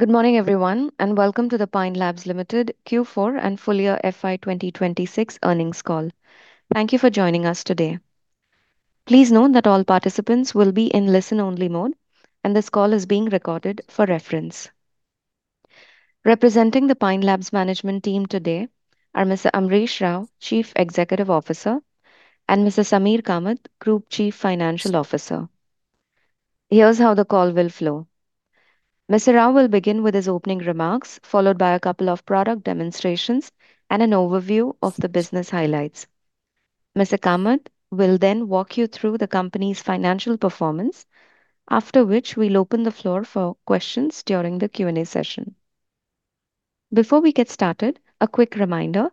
Good morning, everyone, and welcome to the Pine Labs Limited Q4 and full-year FY 2026 earnings call. Thank you for joining us today. Please note that all participants will be in listen-only mode, and this call is being recorded for reference. Representing the Pine Labs' management team today are Mr. Amrish Rau, Chief Executive Officer, and Mr. Sameer Kamath, Group Chief Financial Officer. Here's how the call will flow. Mr. Rau will begin with his opening remarks, followed by a couple of product demonstrations and an overview of the business highlights. Mr. Kamath will then walk you through the company's financial performance, after which we'll open the floor for questions during the Q&A session. Before we get started, a quick reminder,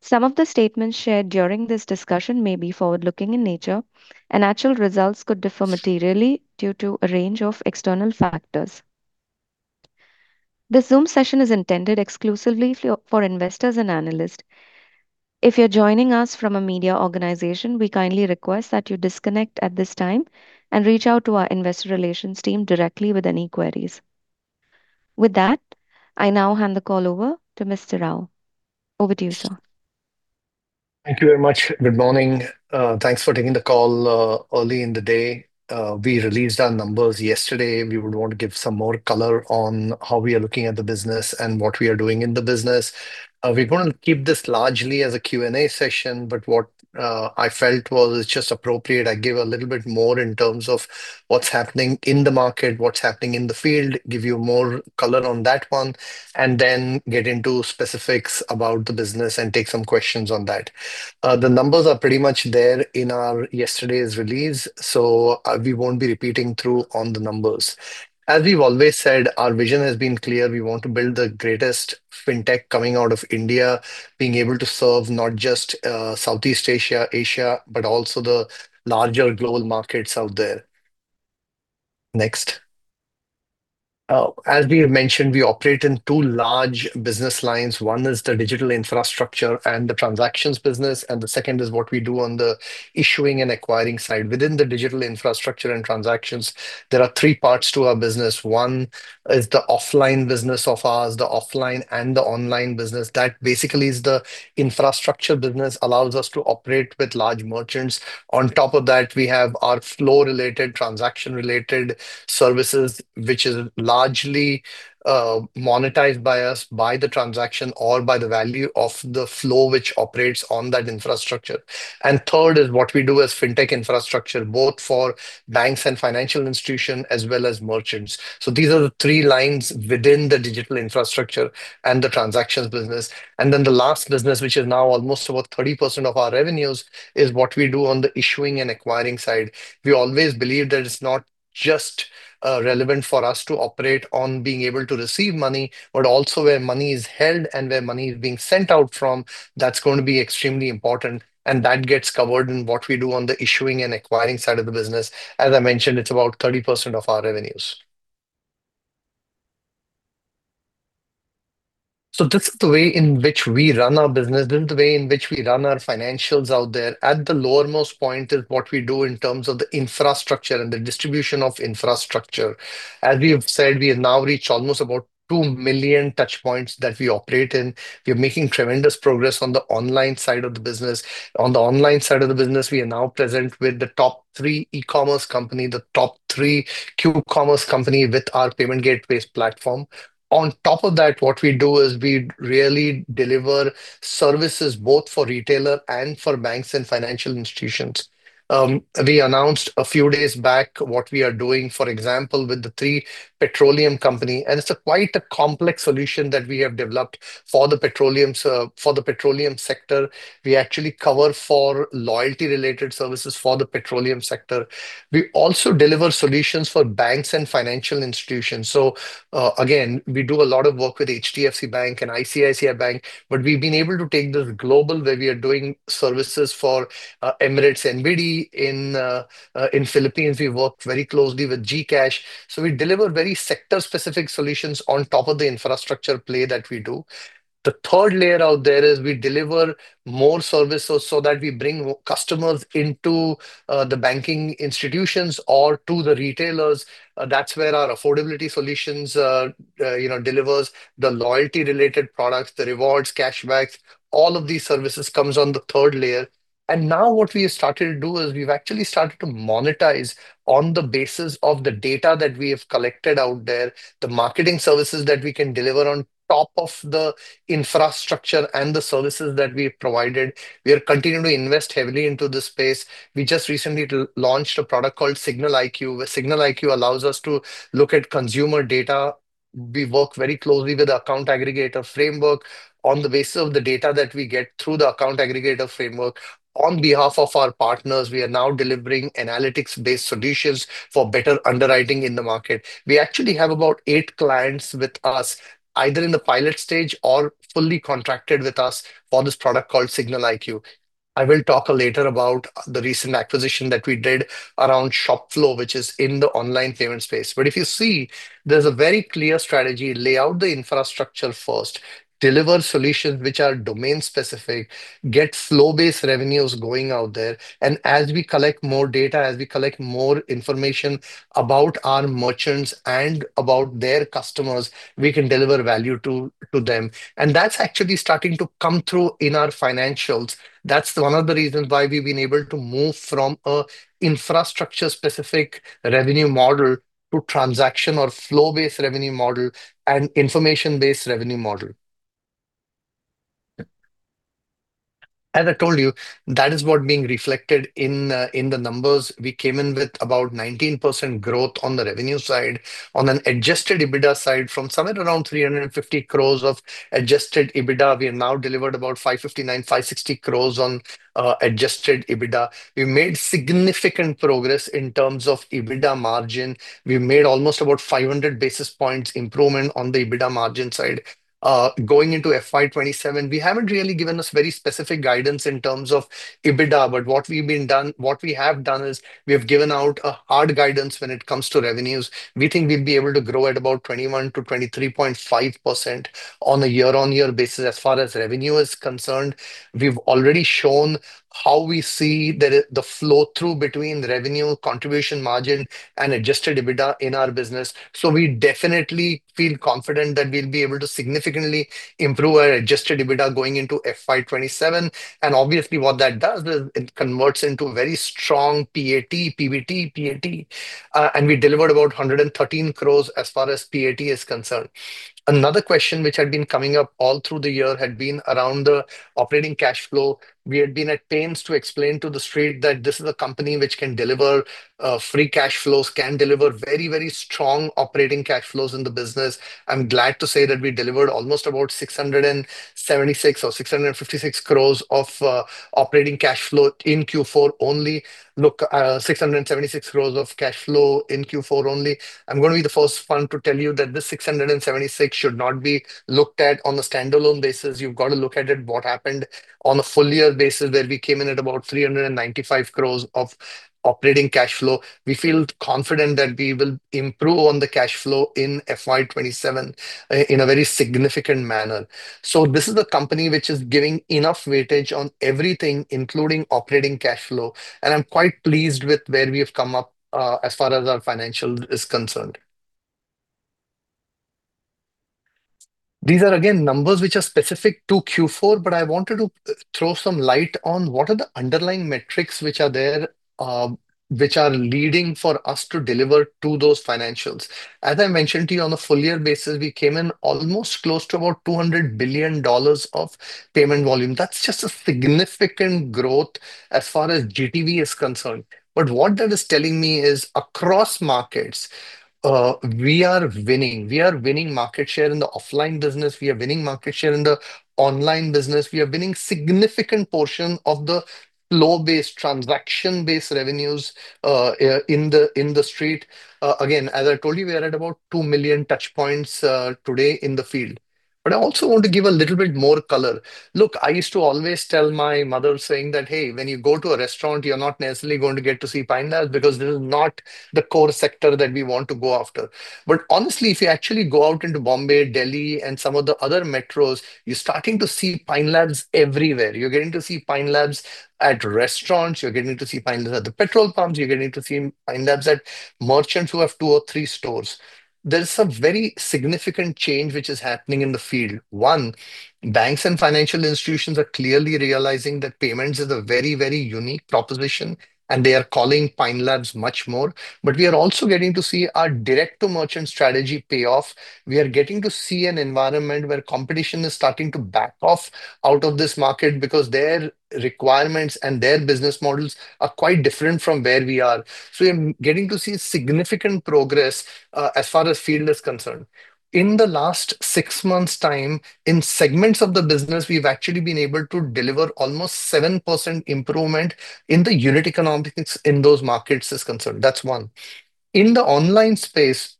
some of the statements shared during this discussion may be forward-looking in nature, and actual results could differ materially due to a range of external factors. This Zoom session is intended exclusively for investors and analysts. If you're joining us from a media organization, we kindly request that you disconnect at this time and reach out to our investor relations team directly with any queries. With that, I now hand the call over to Mr. Rau. Over to you, sir. Thank you very much. Good morning. Thanks for taking the call early in the day. We released our numbers yesterday. We would want to give some more color on how we are looking at the business and what we are doing in the business. We want to keep this largely as a Q&A session, but what I felt was it's just appropriate I give a little bit more in terms of what's happening in the market, what's happening in the field, give you more color on that one, and then get into specifics about the business and take some questions on that. The numbers are pretty much there in our yesterday's release, so we won't be repeating through on the numbers. As we've always said, our vision has been clear. We want to build the greatest fintech coming out of India, being able to serve not just Southeast Asia, but also the larger global markets out there. Next. As we have mentioned, we operate in two large business lines. One is the Digital Infrastructure and the Transactions business, and the second is what we do on the Issuing and Acquiring side. Within the Digital Infrastructure and Transactions, there are three parts to our business. One is the offline business of ours, the offline and the online business. That basically is the Infrastructure business, allows us to operate with large merchants. On top of that, we have our flow-related, transaction-related services, which is largely monetized by us by the transaction or by the value of the flow which operates on that infrastructure. Third is what we do as fintech infrastructure, both for banks and financial institutions as well as merchants. These are the three lines within the Digital Infrastructure and the Transactions business. The last business, which is now almost about 30% of our revenues, is what we do on the Issuing and Acquiring side. We always believe that it's not just relevant for us to operate on being able to receive money, but also where money is held and where money is being sent out from, that's going to be extremely important, and that gets covered in what we do on the Issuing and Acquiring side of the business. As I mentioned, it's about 30% of our revenues. This is the way in which we run our business, and the way in which we run our financials out there. At the lowermost point is what we do in terms of the infrastructure and the distribution of infrastructure. As we have said, we have now reached almost about 2 million touchpoints that we operate in. We are making tremendous progress on the Online side of the business. On the Online side of the business, we are now present with the top three e-commerce company, the top three Q-commerce company with our Payment Gateway platform. On top of that, what we do is we really deliver services both for retailer and for banks and financial institutions. We announced a few days back what we are doing, for example, with the three petroleum company, and it's quite a complex solution that we have developed for the petroleum sector. We actually cover for loyalty-related services for the petroleum sector. We also deliver solutions for banks and financial institutions. Again, we do a lot of work with HDFC Bank and ICICI Bank, but we've been able to take this global, where we are doing services for Emirates NBD. In Philippines, we work very closely with GCash. We deliver very sector-specific solutions on top of the infrastructure play that we do. The third layer out there is we deliver more services so that we bring customers into the banking institutions or to the retailers. That's where our affordability solutions delivers the loyalty-related products, the rewards, cash backs, all of these services comes on the third layer. Now what we have started to do is we've actually started to monetize on the basis of the data that we have collected out there, the marketing services that we can deliver on top of the infrastructure and the services that we provided. We are continuing to invest heavily into this space. We just recently launched a product called SignalIQ. SignalIQ allows us to look at consumer data. We work very closely with Account Aggregator framework. On the basis of the data that we get through the Account Aggregator framework, on behalf of our partners, we are now delivering analytics-based solutions for better underwriting in the market. We actually have about eight clients with us, either in the pilot stage or fully contracted with us on this product called SignalIQ. I will talk later about the recent acquisition that we did around Shopflo, which is in the Online Payment space. If you see, there's a very clear strategy: lay out the infrastructure first, deliver solutions which are domain-specific, get flow-based revenues going out there, and as we collect more data, as we collect more information about our merchants and about their customers, we can deliver value to them. That's actually starting to come through in our financials. That's one of the reasons why we've been able to move from an infrastructure-specific revenue model to transaction or flow-based revenue model and information-based revenue model. As I told you, that is what being reflected in the numbers. We came in with about 19% growth on the revenue side. On an Adjusted EBITDA side, from somewhere around 350 crores of Adjusted EBITDA, we have now delivered about 559, 560 crores on Adjusted EBITDA. We made significant progress in terms of EBITDA margin. We made almost about 500 basis points improvement on the EBITDA margin side. Going into FY 2027, we haven't really given us very specific guidance in terms of EBITDA, but what we have done is we have given out a hard guidance when it comes to revenues. We think we'll be able to grow at about 21%-23.5% on a year-on-year basis as far as revenue is concerned. We've already shown how we see the flow-through between revenue contribution margin and Adjusted EBITDA in our business. So we definitely feel confident that we'll be able to significantly improve our Adjusted EBITDA going into FY 2027. Obviously what that does is it converts into very strong PAT, PBT, PAT, and we delivered about 113 crores as far as PAT is concerned. Another question which had been coming up all through the year had been around the operating cash flow. We had been at pains to explain to The Street that this is a company which can deliver free cash flows, can deliver very, very strong operating cash flows in the business. I'm glad to say that we delivered almost about 676 crores or 656 crores of operating cash flow in Q4 only. Look, 676 crores of cash flow in Q4 only. I'm going to be the first one to tell you that this 676 crores should not be looked at on a standalone basis. You've got to look at it what happened on a full year basis, that we came in at about 395 crores of operating cash flow. We feel confident that we will improve on the cash flow in FY 2027 in a very significant manner. This is a company which is giving enough weightage on everything, including operating cash flow, and I am quite pleased with where we have come up as far as our financial is concerned. These are again numbers which are specific to Q4, but I wanted to throw some light on what are the underlying metrics which are there, which are leading for us to deliver to those financials. As I mentioned to you, on a full year basis, we came in almost close to about $200 billion of payment volume. That is just a significant growth as far as GTV is concerned. What that is telling me is across markets, we are winning. We are winning market share in the offline business. We are winning market share in the online business. We are winning significant portion of the flow-based, transaction-based revenues in the street. As I told you, we are at about 2 million touchpoints today in the field. I also want to give a little bit more color. Look, I used to always tell my mother saying that, hey, when you go to a restaurant, you're not necessarily going to get to see Pine Labs because this is not the core sector that we want to go after. Honestly, if you actually go out into Bombay, Delhi, and some of the other metros, you're starting to see Pine Labs everywhere. You're getting to see Pine Labs at restaurants. You're getting to see Pine Labs at the petrol pumps. You're getting to see Pine Labs at merchants who have two or three stores. There's some very significant change which is happening in the field. One, banks and financial institutions are clearly realizing that payments is a very, very unique proposition, and they are calling Pine Labs much more. We are also getting to see our direct-to-merchant strategy pay off. We are getting to see an environment where competition is starting to back off out of this market because their requirements and their business models are quite different from where we are. We are getting to see significant progress as far as field is concerned. In the last six months time, in segments of the business, we've actually been able to deliver almost 7% improvement in the unit economics in those markets is concerned. That's one. In the Online space,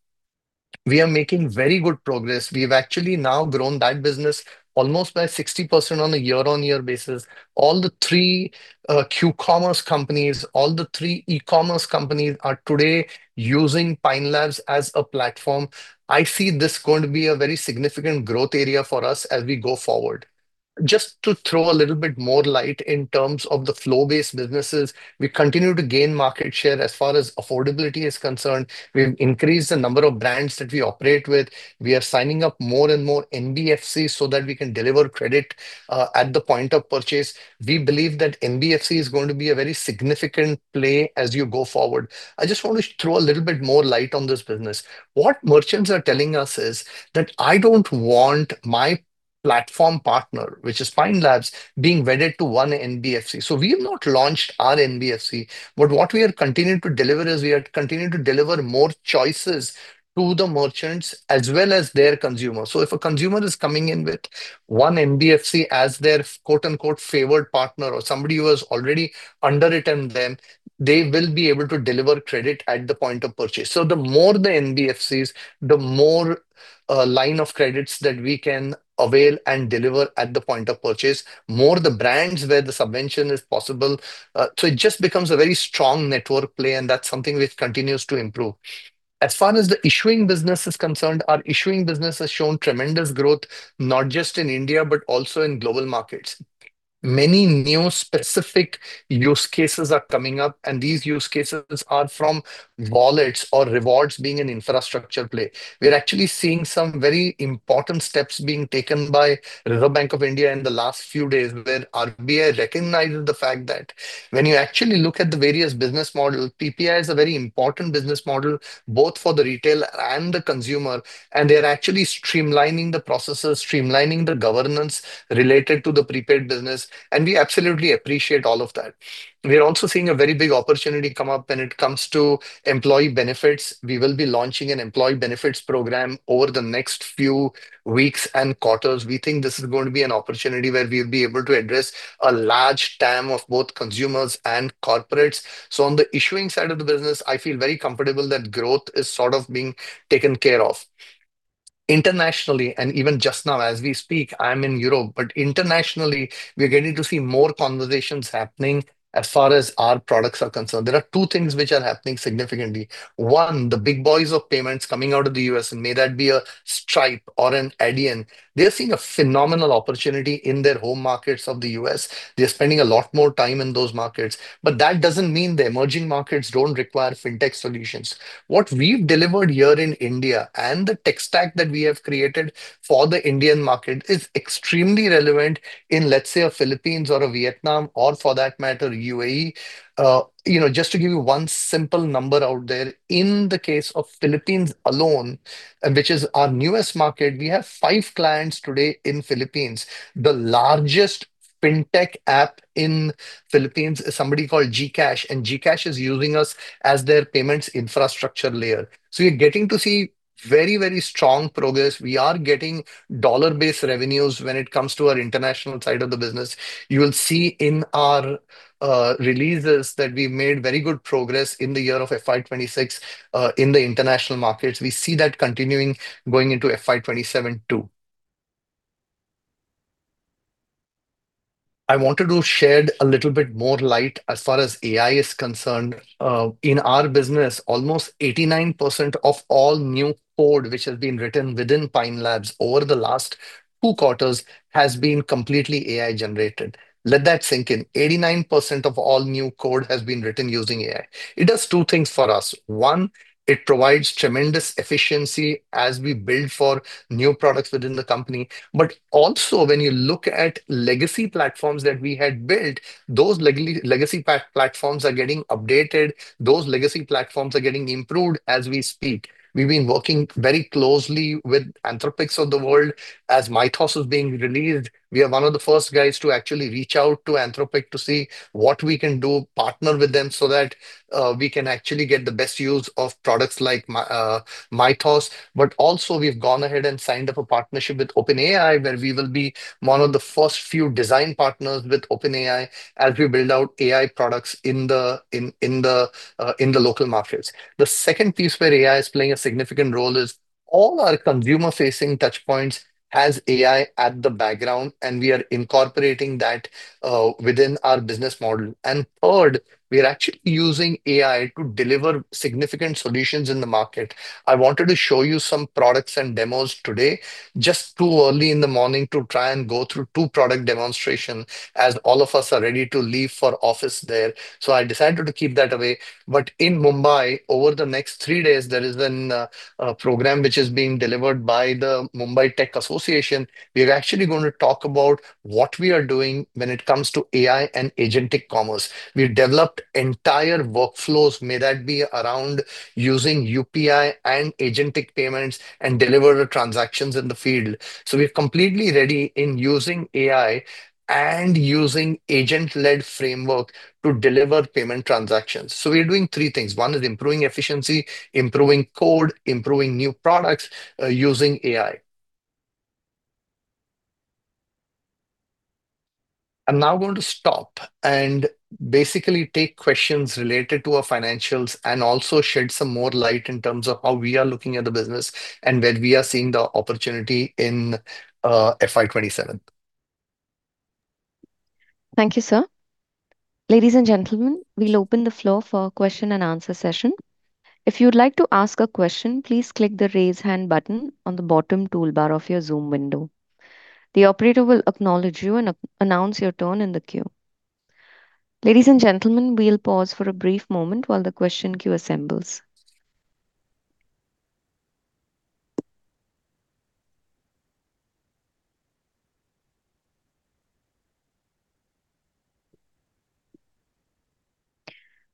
we are making very good progress. We've actually now grown that business almost by 60% on a year-on-year basis. All the three Q-commerce companies, all the three e-commerce companies are today using Pine Labs as a platform. I see this going to be a very significant growth area for us as we go forward. Just to throw a little bit more light in terms of the flow-based businesses, we continue to gain market share as far as affordability is concerned. We've increased the number of brands that we operate with. We are signing up more and more NBFCs so that we can deliver credit at the point of purchase. We believe that NBFC is going to be a very significant play as you go forward. I just want to throw a little bit more light on this business. What merchants are telling us is that, "I don't want my platform partner, which is Pine Labs, being vetted to one NBFC." We have not launched our NBFC, but what we have continued to deliver is we have continued to deliver more choices to the merchants as well as their consumers. If a consumer is coming in with one NBFC as their "favored partner" or somebody who has already underwritten them, they will be able to deliver credit at the point of purchase. The more the NBFCs, the more line of credits that we can avail and deliver at the point of purchase, more the brands where the subvention is possible. It just becomes a very strong network play, and that's something which continues to improve. As far as the Issuing business is concerned, our Issuing business has shown tremendous growth, not just in India but also in global markets. Many new specific use cases are coming up, and these use cases are from wallets or rewards being an infrastructure play. We are actually seeing some very important steps being taken by Reserve Bank of India in the last few days, where RBI recognized the fact that when you actually look at the various business models, PPI is a very important business model both for the retailer and the consumer, and they are actually streamlining the processes, streamlining the governance related to the prepaid business, and we absolutely appreciate all of that. We are also seeing a very big opportunity come up when it comes to employee benefits. We will be launching an employee benefits program over the next few weeks and quarters. We think this is going to be an opportunity where we'll be able to address a large TAM of both consumers and corporates. On the issuing side of the business, I feel very comfortable that growth is sort of being taken care of. Internationally, even just now as we speak, I'm in Europe, internationally, we are getting to see more conversations happening as far as our products are concerned. There are two things which are happening significantly. One, the big boys of payments coming out of the U.S., may that be a Stripe or an Adyen. They're seeing a phenomenal opportunity in their home markets of the U.S. They're spending a lot more time in those markets. That doesn't mean the emerging markets don't require fintech solutions. What we've delivered here in India and the tech stack that we have created for the Indian market is extremely relevant in, let's say, a Philippines or a Vietnam or for that matter, UAE. Just to give you one simple number out there, in the case of Philippines alone, which is our newest market, we have five clients today in Philippines. The largest fintech app in Philippines is somebody called GCash, and GCash is using us as their payments infrastructure layer. You're getting to see very strong progress. We are getting dollar-based revenues when it comes to our international side of the business. You will see in our releases that we made very good progress in the year of FY 2026 in the international markets. We see that continuing going into FY 2027 too. I wanted to shed a little bit more light as far as AI is concerned. In our business, almost 89% of all new code which has been written within Pine Labs over the last two quarters has been completely AI-generated. Let that sink in. 89% of all new code has been written using AI. It does two things for us. One, it provides tremendous efficiency as we build for new products within the company. Also, when you look at legacy platforms that we had built, those legacy platforms are getting updated. Those legacy platforms are getting improved as we speak. We've been working very closely with Anthropic of the world. As Mythos is being released, we are one of the first guys to actually reach out to Anthropic to see what we can do, partner with them so that we can actually get the best use of products like Mythos. Also, we've gone ahead and signed up a partnership with OpenAI, where we will be one of the first few design partners with OpenAI as we build out AI products in the local markets. The second piece where AI is playing a significant role is all our consumer-facing touchpoints has AI at the background, and we are incorporating that within our business model. Third, we are actually using AI to deliver significant solutions in the market. I wanted to show you some products and demos today. Just too early in the morning to try and go through two product demonstrations as all of us are ready to leave for office there. I decided to keep that away. In Mumbai, over the next three days, there is a program which is being delivered by the Mumbai Tech Association. We're actually going to talk about what we are doing when it comes to AI and agentic commerce. We've developed entire workflows, may that be around using UPI and agentic payments and deliver transactions in the field. We're completely ready in using AI and using agent-led framework to deliver payment transactions. We're doing three things. One is improving efficiency, improving code, improving new products using AI. I'm now going to stop and basically take questions related to our financials and also shed some more light in terms of how we are looking at the business and where we are seeing the opportunity in FY 2027. Thank you, sir. Ladies and gentlemen, we open the floor for question and answer session. If you'd like to ask a question, please click the raise hand button on the bottom toolbar of your Zoom window. The operator will acknowledge you and announce your turn in the queue. Ladies and gentlemen, we'll pause for a brief moment while the question queue assembles.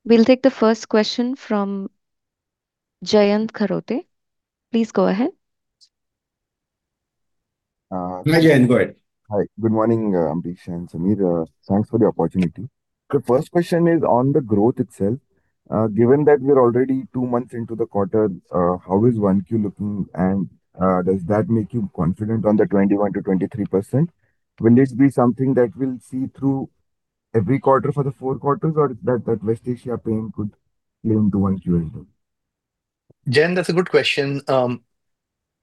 We'll take the first question from Jayant Kharote. Please go ahead. Yeah, Jayant, go ahead. Hi. Good morning, Amrish and Sameer. Thanks for the opportunity. The first question is on the growth itself. Given that we're already two months into the quarter, how is 1Q looking, and does that make you confident on the 21%-23%? Will this be something that we'll see through every quarter for the four quarters, or that West Asia pain could come to 1Q as well? Jayant, that's a good question.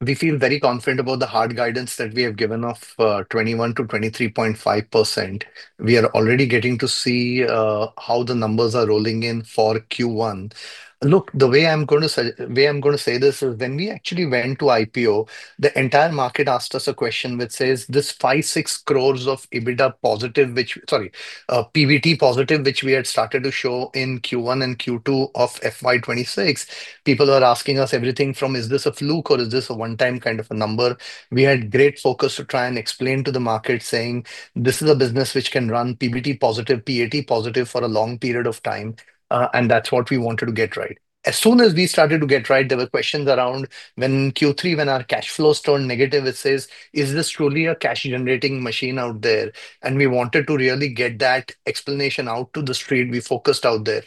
We feel very confident about the hard guidance that we have given of 21%-23.5%. We are already getting to see how the numbers are rolling in for Q1. Look, the way I'm going to say this is when we actually went to IPO, the entire market asked us a question that says, this five, six crores of EBITDA positive, sorry, PBT positive, which we had started to show in Q1 and Q2 of FY 2026. People are asking us everything from, "Is this a fluke or is this a one-time kind of a number?" We had great focus to try and explain to the market saying, "This is a business which can run PBT positive, PAT positive for a long period of time," and that's what we wanted to get right. As soon as we started to get right, there were questions around when Q3, when our cash flows turned negative, it says, "Is this truly a cash-generating machine out there?" We wanted to really get that explanation out to the street. We focused out there.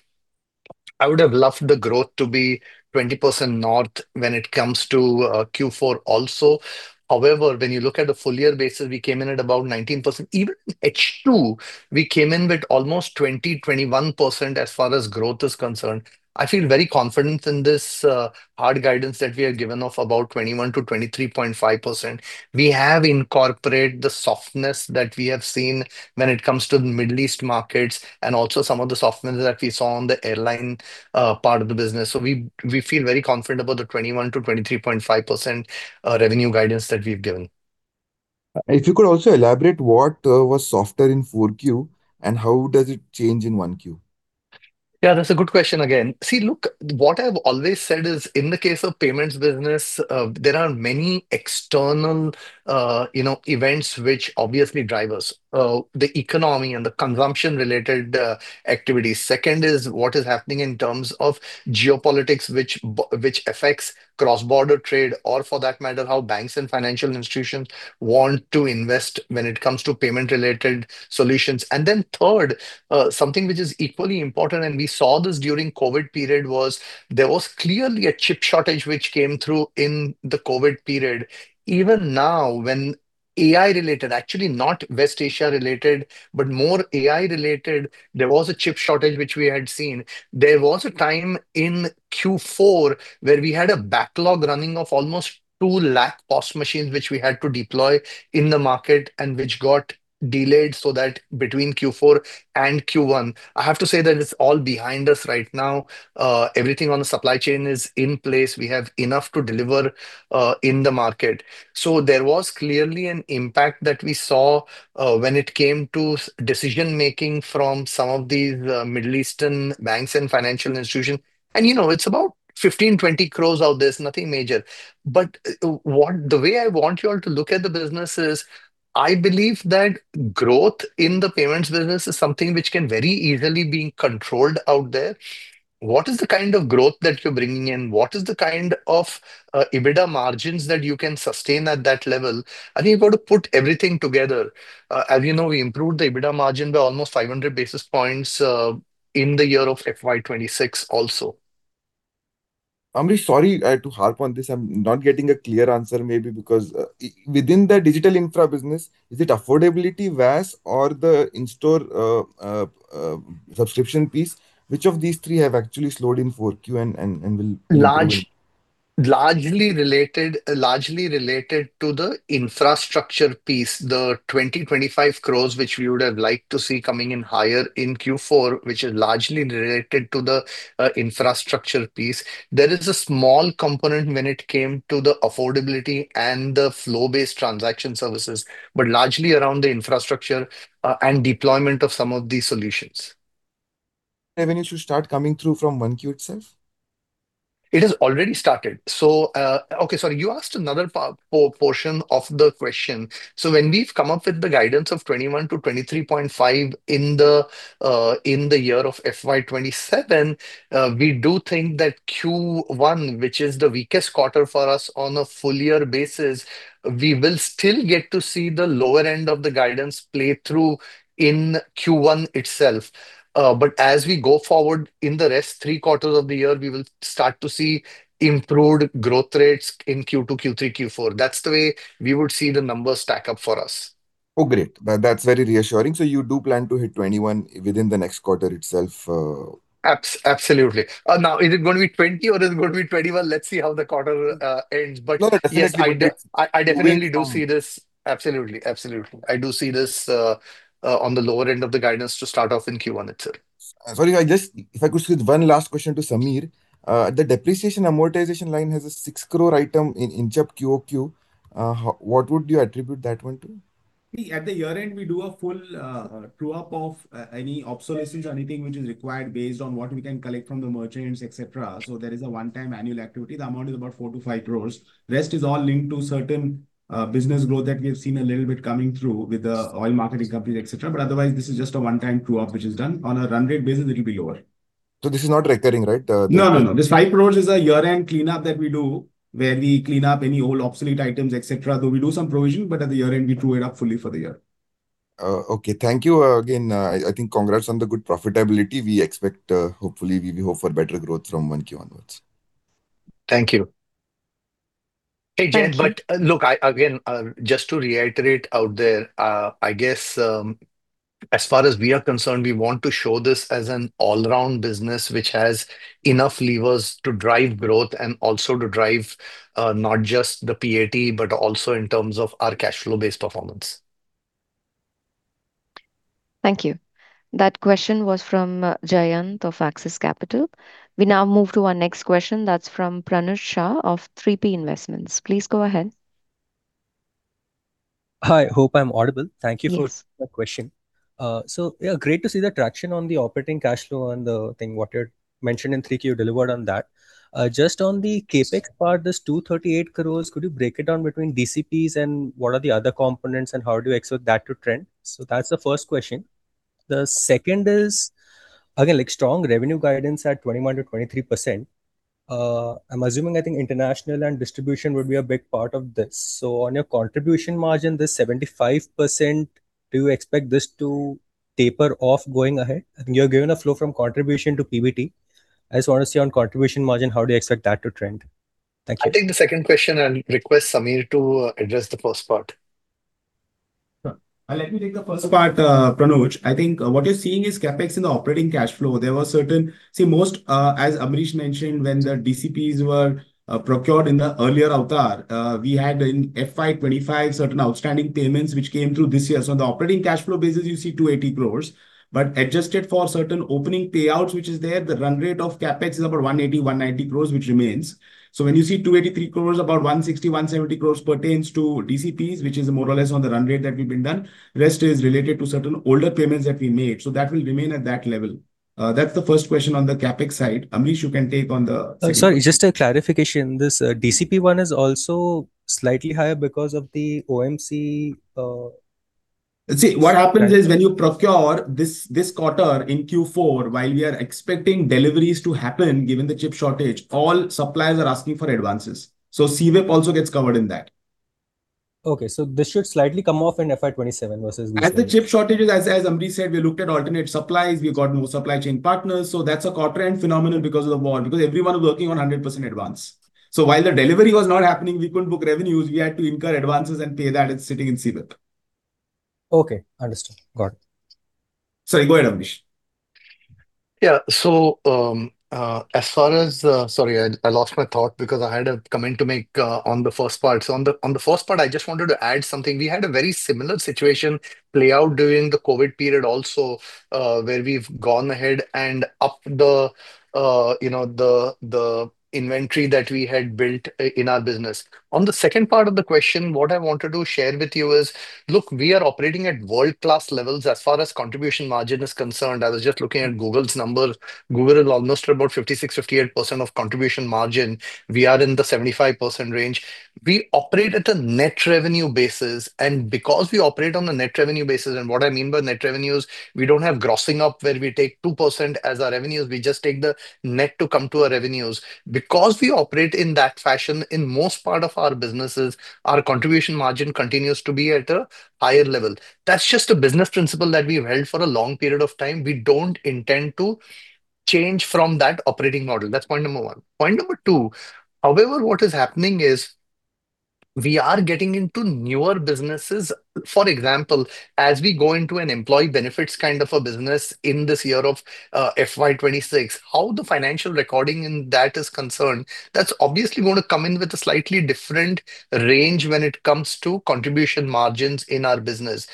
I would have loved the growth to be 20% north when it comes to Q4 also. When you look at a full year basis, we came in at about 19%. Even H2, we came in with almost 20%, 21% as far as growth is concerned. I feel very confident in this hard guidance that we have given of about 21%-23.5%. We have incorporated the softness that we have seen when it comes to the Middle East markets and also some of the softness that we saw on the airline part of the business. We feel very confident about the 21%-23.5% revenue guidance that we've given. If you could also elaborate what was softer in Q4 and how does it change in 1Q? Yeah, that's a good question again. See, look, what I've always said is in the case of payments business, there are many external events which obviously drive us. The economy and the consumption-related activities. Second is what is happening in terms of geopolitics, which affects cross-border trade or for that matter, how banks and financial institutions want to invest when it comes to payment-related solutions. Third, something which is equally important, and we saw this during COVID period, there was clearly a chip shortage which came through in the COVID period. Even now, when AI related, actually not West Asia related, but more AI related, there was a chip shortage which we had seen. There was a time in Q4 where we had a backlog running of almost 2 lakh POS machines, which we had to deploy in the market and which got delayed so that between Q4 and Q1. I have to say that it's all behind us right now. Everything on the supply chain is in place. We have enough to deliver in the market. There was clearly an impact that we saw when it came to decision-making from some of these Middle Eastern banks and financial institutions. It's about 15 crores-20 crores out there, it's nothing major. The way I want you all to look at the business is, I believe that growth in the Payments business is something which can very easily be controlled out there. What is the kind of growth that you're bringing in? What is the kind of EBITDA margins that you can sustain at that level? I think you got to put everything together. As you know, we improved the EBITDA margin by almost 500 basis points in the year of FY 2026 also. Amrish, sorry to harp on this. I'm not getting a clear answer maybe because within the Digital Infra business, is it affordability, VAS or the in-store subscription piece? Which of these three have actually slowed in Q4 and will- Largely related to the infrastructure piece. The 20 crore, 25 crore, which we would have liked to see coming in higher in Q4, which is largely related to the infrastructure piece. There is a small component when it came to the affordability and the flow-based transaction services, but largely around the infrastructure and deployment of some of these solutions. It should start coming through from 1Q itself? It has already started. Okay, sorry, you asked another portion of the question. When we've come up with the guidance of 21%-23.5% in the year of FY 2027, we do think that Q1, which is the weakest quarter for us on a full year basis, we will still get to see the lower end of the guidance play through in Q1 itself. As we go forward in the rest of three quarters of the year, we will start to see improved growth rates in Q2, Q3, Q4. That's the way we would see the numbers stack up for us. Oh, great. That's very reassuring. You do plan to hit 21% within the next quarter itself? Absolutely. Now, is it going to be 20% or is it going to be 21%? Let's see how the quarter ends. Yes, I definitely do see this. Absolutely. I do see this on the lower end of the guidance to start off in Q1 itself. Sorry, if I could just one last question to Sameer. The depreciation amortization line has an 6 crore item in-chip QoQ. What would you attribute that one to? At the year-end, we do a full true-up of any obsolescence or anything which is required based on what we can collect from the merchants, et cetera. There is a one-time annual activity. The amount is about 4 crores-5 crores. The rest is all linked to certain business growth that we have seen a little bit coming through with the oil marketing companies, et cetera. Otherwise, this is just a one-time true-up, which is done. On a run rate basis, it'll be lower. This is not recurring, right? No. This 5 crore is a year-end cleanup that we do, where we clean up any old obsolete items, et cetera. Though we do some provisioning, but at the year-end, we true it up fully for the year. Okay, thank you. Again, I think congrats on the good profitability. We expect, hopefully, we hope for better growth from Q1 onwards. Thank you. Thank you. Look, again, just to reiterate out there. As far as we are concerned, we want to show this as an all-around business, which has enough levers to drive growth and also to drive not just the PAT, but also in terms of our cash flow based performance. Thank you. That question was from Jayant of Axis Capital. We now move to our next question. That's from Pranuj Shah of 3P Investments. Please go ahead. Hi, hope I'm audible. Thank you for the question. Yeah, great to see the traction on the operating cash flow and what you had mentioned in 3Q delivered on that. Just on the CapEx part, this 238 crores, could you break it down between DCPs and what are the other components and how do you expect that to trend? That's the first question. The second is, again, strong revenue guidance at 21%-23%. I'm assuming, I think international and distribution will be a big part of this. On your contribution margin, the 75%, do you expect this to taper off going ahead? You're given a flow from contribution to PBT. I just want to see on contribution margin how you expect that to trend. Thank you. I'll take the second question and request Sameer to address the first part. Let me take the first part, Pranuj. I think what you're seeing is CapEx in operating cash flow. As Amrish mentioned, when the DCPs were procured in the earlier avatar, we had in FY 2025 certain outstanding payments which came through this year. The operating cash flow basis, you see 280 crores, but adjusted for certain opening payouts which is there, the run rate of CapEx is about 180 crores-190 crores, which remains. When you see 283 crores, about 160 crores-170 crores pertains to DCPs, which is more or less on the run rate that we've been done. Rest is related to certain older payments that we made. That will remain at that level. That's the first question on the CapEx side. Amrish, you can take on the- Sorry, just a clarification. This DCC one is also slightly higher because of the OMC- See what happens is when you procure this quarter in Q4, while we are expecting deliveries to happen given the chip shortage, all suppliers are asking for advances. CWIP also gets covered in that. Okay, this should slightly come off in FY 2027 versus- As the chip shortages, as Amrish said, we looked at alternate supplies. We got new supply chain partners. That's a quarter end phenomenon because of the war. Because everyone was working on 100% advance. While the delivery was not happening, we couldn't book revenues. We had to incur advances and pay that, and it's sitting in CWIP. Okay, understood. Got it. You go ahead, Amrish. Yeah. Sorry, I lost my thought because I had a comment to make on the first part. On the first part, I just wanted to add something. We had a very similar situation play out during the COVID period also, where we've gone ahead and upped the inventory that we had built in our business. On the second part of the question, what I wanted to share with you is, look, we are operating at world-class levels as far as contribution margin is concerned. I was just looking at Google's number. Google is almost about 56%-58% of contribution margin. We are in the 75% range. We operate at a net revenue basis. Because we operate on a net revenue basis, and what I mean by net revenues, we don't have grossing up where we take 2% as our revenues. We just take the net to come to our revenues. We operate in that fashion, in most part of our businesses, our contribution margin continues to be at a higher level. That's just a business principle that we've held for a long period of time. We don't intend to change from that operating model. That's point number one. Point number two, however, what is happening is we are getting into newer businesses. For example, as we go into an employee benefits kind of a business in this year of FY 2026, how the financial recording in that is concerned, that's obviously going to come in with a slightly different range when it comes to contribution margins in our business.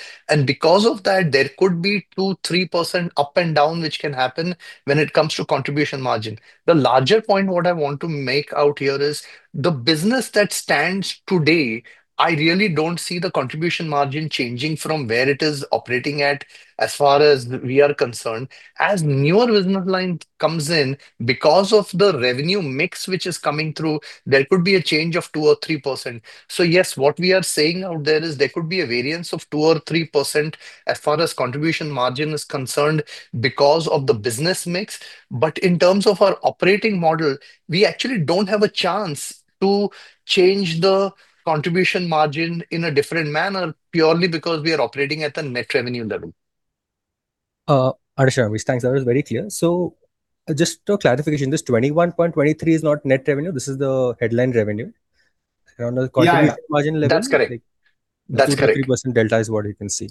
Because of that, there could be 2%-3% up and down which can happen when it comes to contribution margin. The larger point what I want to make out here is the business that stands today, I really don't see the contribution margin changing from where it is operating at as far as we are concerned. As newer business line comes in, because of the revenue mix which is coming through, there could be a change of 2% or 3%. Yes, what we are saying out there is there could be a variance of 2% or 3% as far as contribution margin is concerned because of the business mix. But in terms of our operating model, we actually don't have a chance to change the contribution margin in a different manner purely because we are operating at a net revenue level. Understood, Amrish. Thanks. That was very clear. Just a clarification, this 21.23 crores is not net revenue, this is the headline revenue. Yeah. That's correct. 30% delta is what you can see.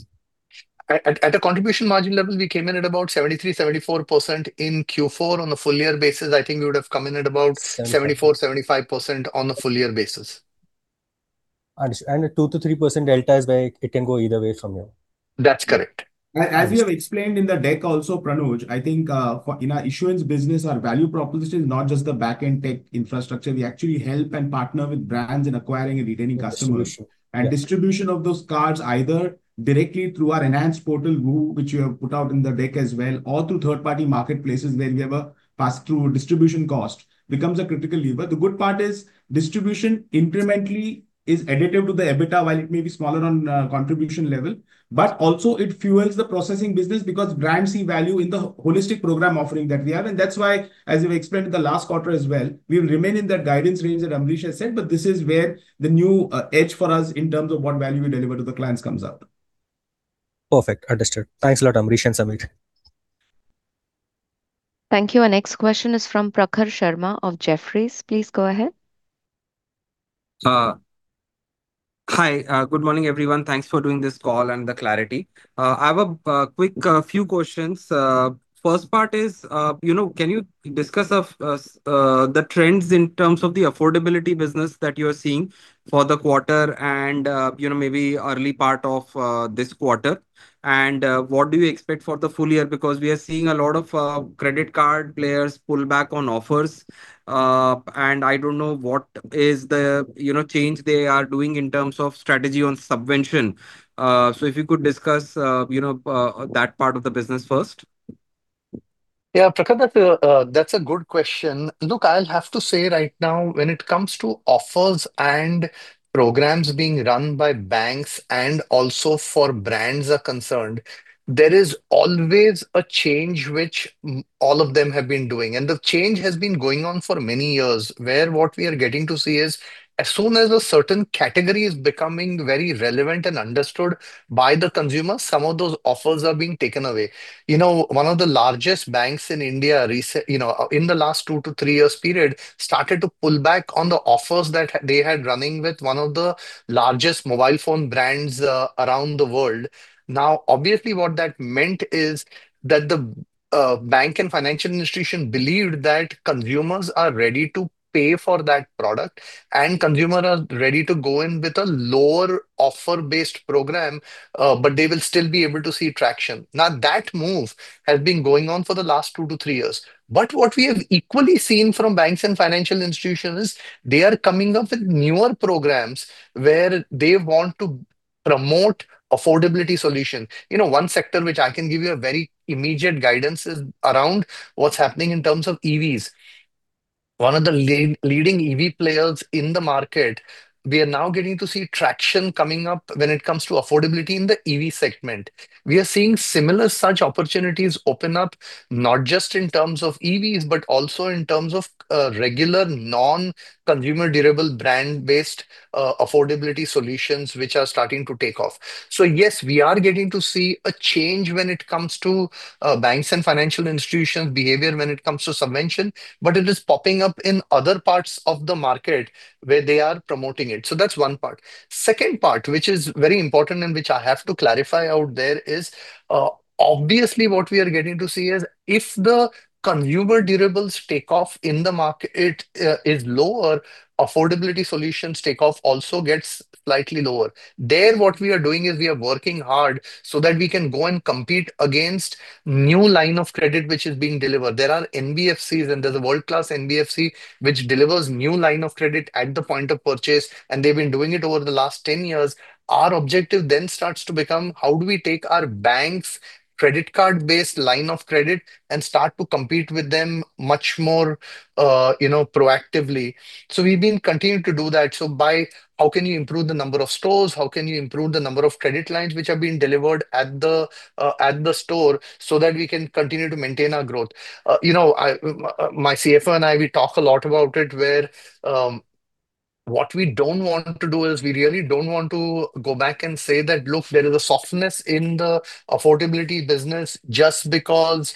At a contribution margin level, we came in at about 73%-74% in Q4. On a full year basis, I think we would have come in at about 74%-75% on a full year basis. Understood. The 2%-3% delta is there. It can go either way from here. That's correct. As we have explained in the deck also, Pranuj, I think in our issuance business, our value proposition is not just the back-end tech infrastructure. We actually help and partner with brands in acquiring and retaining customers. Distribution of those cards, either directly through our enhanced portal Woohoo, which we have put out in the deck as well, or through third-party marketplaces where they ever pass through a distribution cost, becomes a critical lever. The good part is distribution incrementally is additive to the EBITDA, while it may be smaller on a contribution level. Also it fuels the processing business because brands see value in the holistic program offering that we have. That's why, as we explained in the last quarter as well, we remain in the guidance range that Amrish has said. This is where the new edge for us in terms of what value we deliver to the clients comes up. Perfect. Understood. Thanks a lot, Amrish and Sameer. Thank you. Next question is from Prakhar Sharma of Jefferies. Please go ahead. Hi, good morning, everyone. Thanks for doing this call and the clarity. I have a quick few questions. First part is, can you discuss the trends in terms of the affordability business that you're seeing for the quarter and maybe early part of this quarter? What do you expect for the full year? Because we are seeing a lot of credit card players pull back on offers. I don't know what is the change they are doing in terms of strategy on subvention. If you could discuss that part of the business first. Yeah, Prakhar, that's a good question. Look, I'll have to say right now, when it comes to offers and programs being run by banks and also for brands are concerned, there is always a change which all of them have been doing. The change has been going on for many years, where what we are getting to see is, as soon as a certain category is becoming very relevant and understood by the consumer, some of those offers are being taken away. One of the largest banks in India in the last two to three years period, started to pull back on the offers that they had running with one of the largest mobile phone brands around the world. Obviously, what that meant is that the bank and financial institution believed that consumers are ready to pay for that product and consumer are ready to go in with a lower offer-based program, but they will still be able to see traction. That move has been going on for the last two to three years. What we have equally seen from banks and financial institutions is they are coming up with newer programs where they want to promote affordability solution. One sector which I can give you a very immediate guidance is around what's happening in terms of EVs. One of the leading EV players in the market, we are now getting to see traction coming up when it comes to affordability in the EV segment. We are seeing similar such opportunities open up, not just in terms of EVs, but also in terms of regular non-consumer durable brand-based affordability solutions, which are starting to take off. Yes, we are getting to see a change when it comes to banks and financial institutions' behavior when it comes to subvention, but it is popping up in other parts of the market where they are promoting it. That's one part. Second part, which is very important and which I have to clarify out there is, obviously what we are getting to see is if the consumer durables take-off in the market is lower, affordability solutions take-off also gets slightly lower. There what we are doing is we are working hard so that we can go and compete against new line of credit which is being delivered. There are NBFCs and there's a world-class NBFC which delivers new line of credit at the point of purchase, and they've been doing it over the last 10 years. Our objective then starts to become how do we take our banks' credit card-based line of credit and start to compete with them much more proactively. We've been continuing to do that. By how can you improve the number of stores, how can you improve the number of credit lines which are being delivered at the store so that we can continue to maintain our growth. My CFO and I, we talk a lot about it, where what we don't want to do is we really don't want to go back and say that, look, there is a softness in the affordability business just because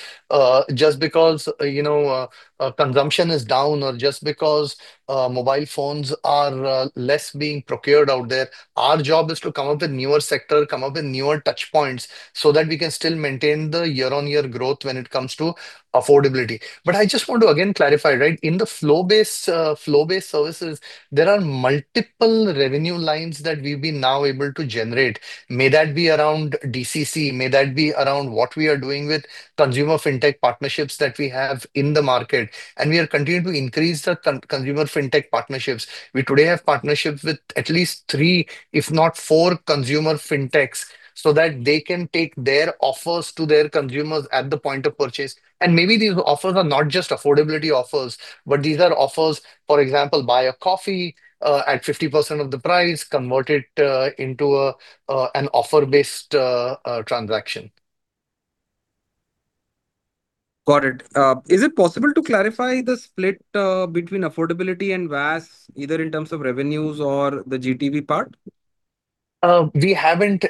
consumption is down or just because mobile phones are less being procured out there. Our job is to come up with newer sector, come up with newer touch points so that we can still maintain the year-on-year growth when it comes to affordability. I just want to again clarify. In the flow-based services, there are multiple revenue lines that we've been now able to generate. May that be around DCC, may that be around what we are doing with consumer fintech partnerships that we have in the market, and we are continuing to increase the consumer fintech partnerships. We today have partnerships with at least three, if not four, consumer fintechs, so that they can take their offers to their consumers at the point of purchase. Maybe these offers are not just affordability offers, but these are offers, for example, buy a coffee at 50% of the price, convert it into an offer-based transaction. Got it. Is it possible to clarify the split between affordability and VAS, either in terms of revenues or the GDP part? We haven't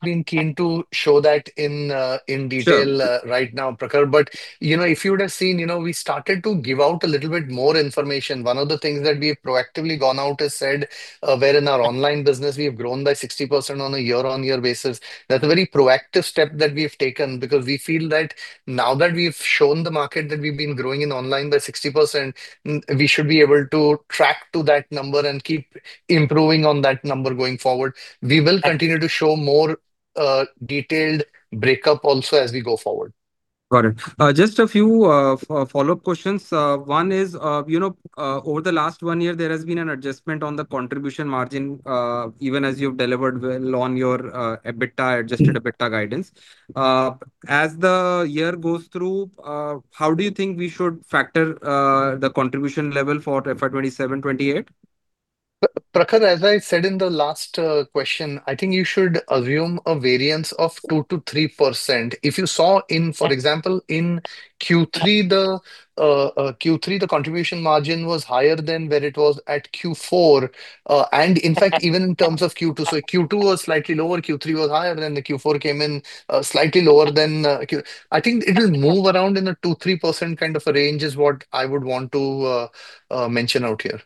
been keen to show that in detail right now, Prakhar. If you would have seen, we started to give out a little bit more information. One of the things that we've proactively gone out has said, where in our Online business, we've grown by 60% on a year-on-year basis. That's a very proactive step that we've taken because we feel that now that we've shown the market that we've been growing in online by 60%, we should be able to track to that number and keep improving on that number going forward. We will continue to show more detailed breakup also as we go forward. Got it. Just a few follow-up questions. One is, over the last one year, there has been an adjustment on the contribution margin, even as you've delivered well on your Adjusted EBITDA guidance. As the year goes through, how do you think we should factor the contribution level for FY 2027, 2028? Prakhar, as I said in the last question, I think you should assume a variance of 2%-3%. If you saw, for example, in Q3, the contribution margin was higher than where it was at Q4. In fact, even in terms of Q2. Q2 was slightly lower, Q3 was higher, and the Q4 came in slightly lower. I think it will move around in a 2%-3% kind of a range is what I would want to mention out here.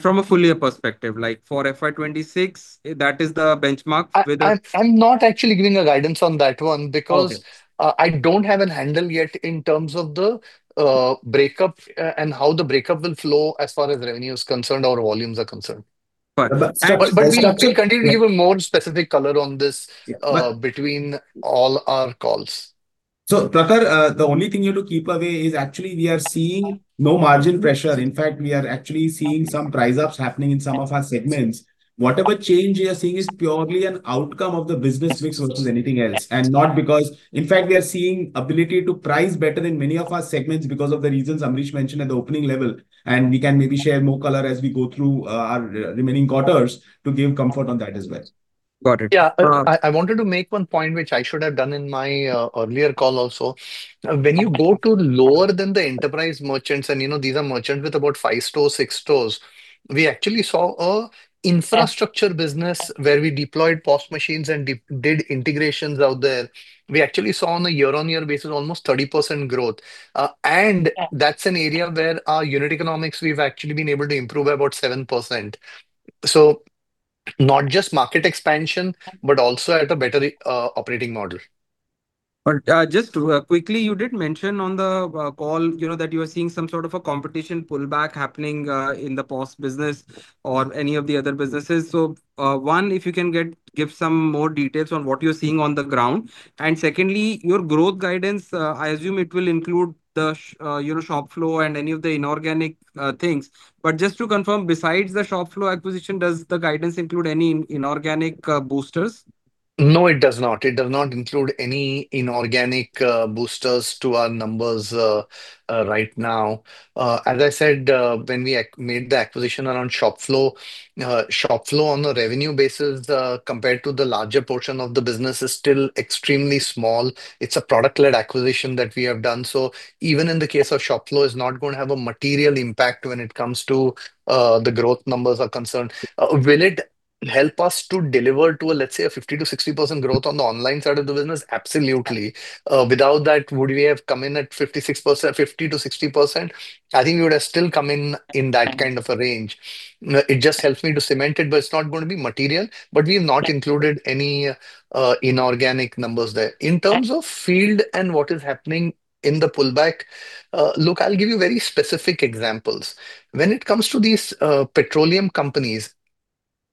From a full year perspective, for FY 2026, that is the benchmark with- I'm not actually giving a guidance on that one because- Okay I don't have a handle yet in terms of the breakup and how the breakup will flow as far as revenue is concerned or volumes are concerned. Got it. We can continue even more specific color on this between all our calls. Prakhar, the only thing you need to keep away is actually we are seeing no margin pressure. In fact, we are actually seeing some price ups happening in some of our segments. Whatever change we are seeing is purely an outcome of the business mix versus anything else, and not because In fact, we are seeing ability to price better in many of our segments because of the reasons Amrish mentioned at the opening level, and we can maybe share more color as we go through our remaining quarters to give comfort on that as well. Got it. Yeah. I wanted to make one point, which I should have done in my earlier call also. When you go to lower than the enterprise merchants, and these are merchants with about five stores, six stores. We actually saw a Infrastructure business where we deployed POS machines and did integrations out there. We actually saw on a year-on-year basis almost 30% growth. That's an area where our unit economics we've actually been able to improve about 7%. Not just market expansion, but also at a better operating model. Just quickly, you did mention on the call, that you're seeing some sort of a competition pullback happening in the POS business or any of the other businesses. One, if you can give some more details on what you're seeing on the ground. Secondly, your growth guidance, I assume it will include the Shopflo and any of the inorganic things. Just to confirm, besides the Shopflo acquisition, does the guidance include any inorganic boosters? No, it does not. It does not include any inorganic boosters to our numbers right now. As I said, when we made the acquisition around Shopflo on a revenue basis compared to the larger portion of the business is still extremely small. It's a product-led acquisition that we have done. Even in the case of Shopflo, it's not going to have a material impact when it comes to the growth numbers are concerned. Will it help us to deliver to, let's say, a 50%-60% growth on the Online side of the business? Absolutely. Without that, would we have come in at 56%, 50%-60%? I think it would have still come in that kind of a range. It just helps me to cement it, but it's not going to be material. We've not included any inorganic numbers there. In terms of field and what is happening in the pullback, look, I'll give you very specific examples. When it comes to these petroleum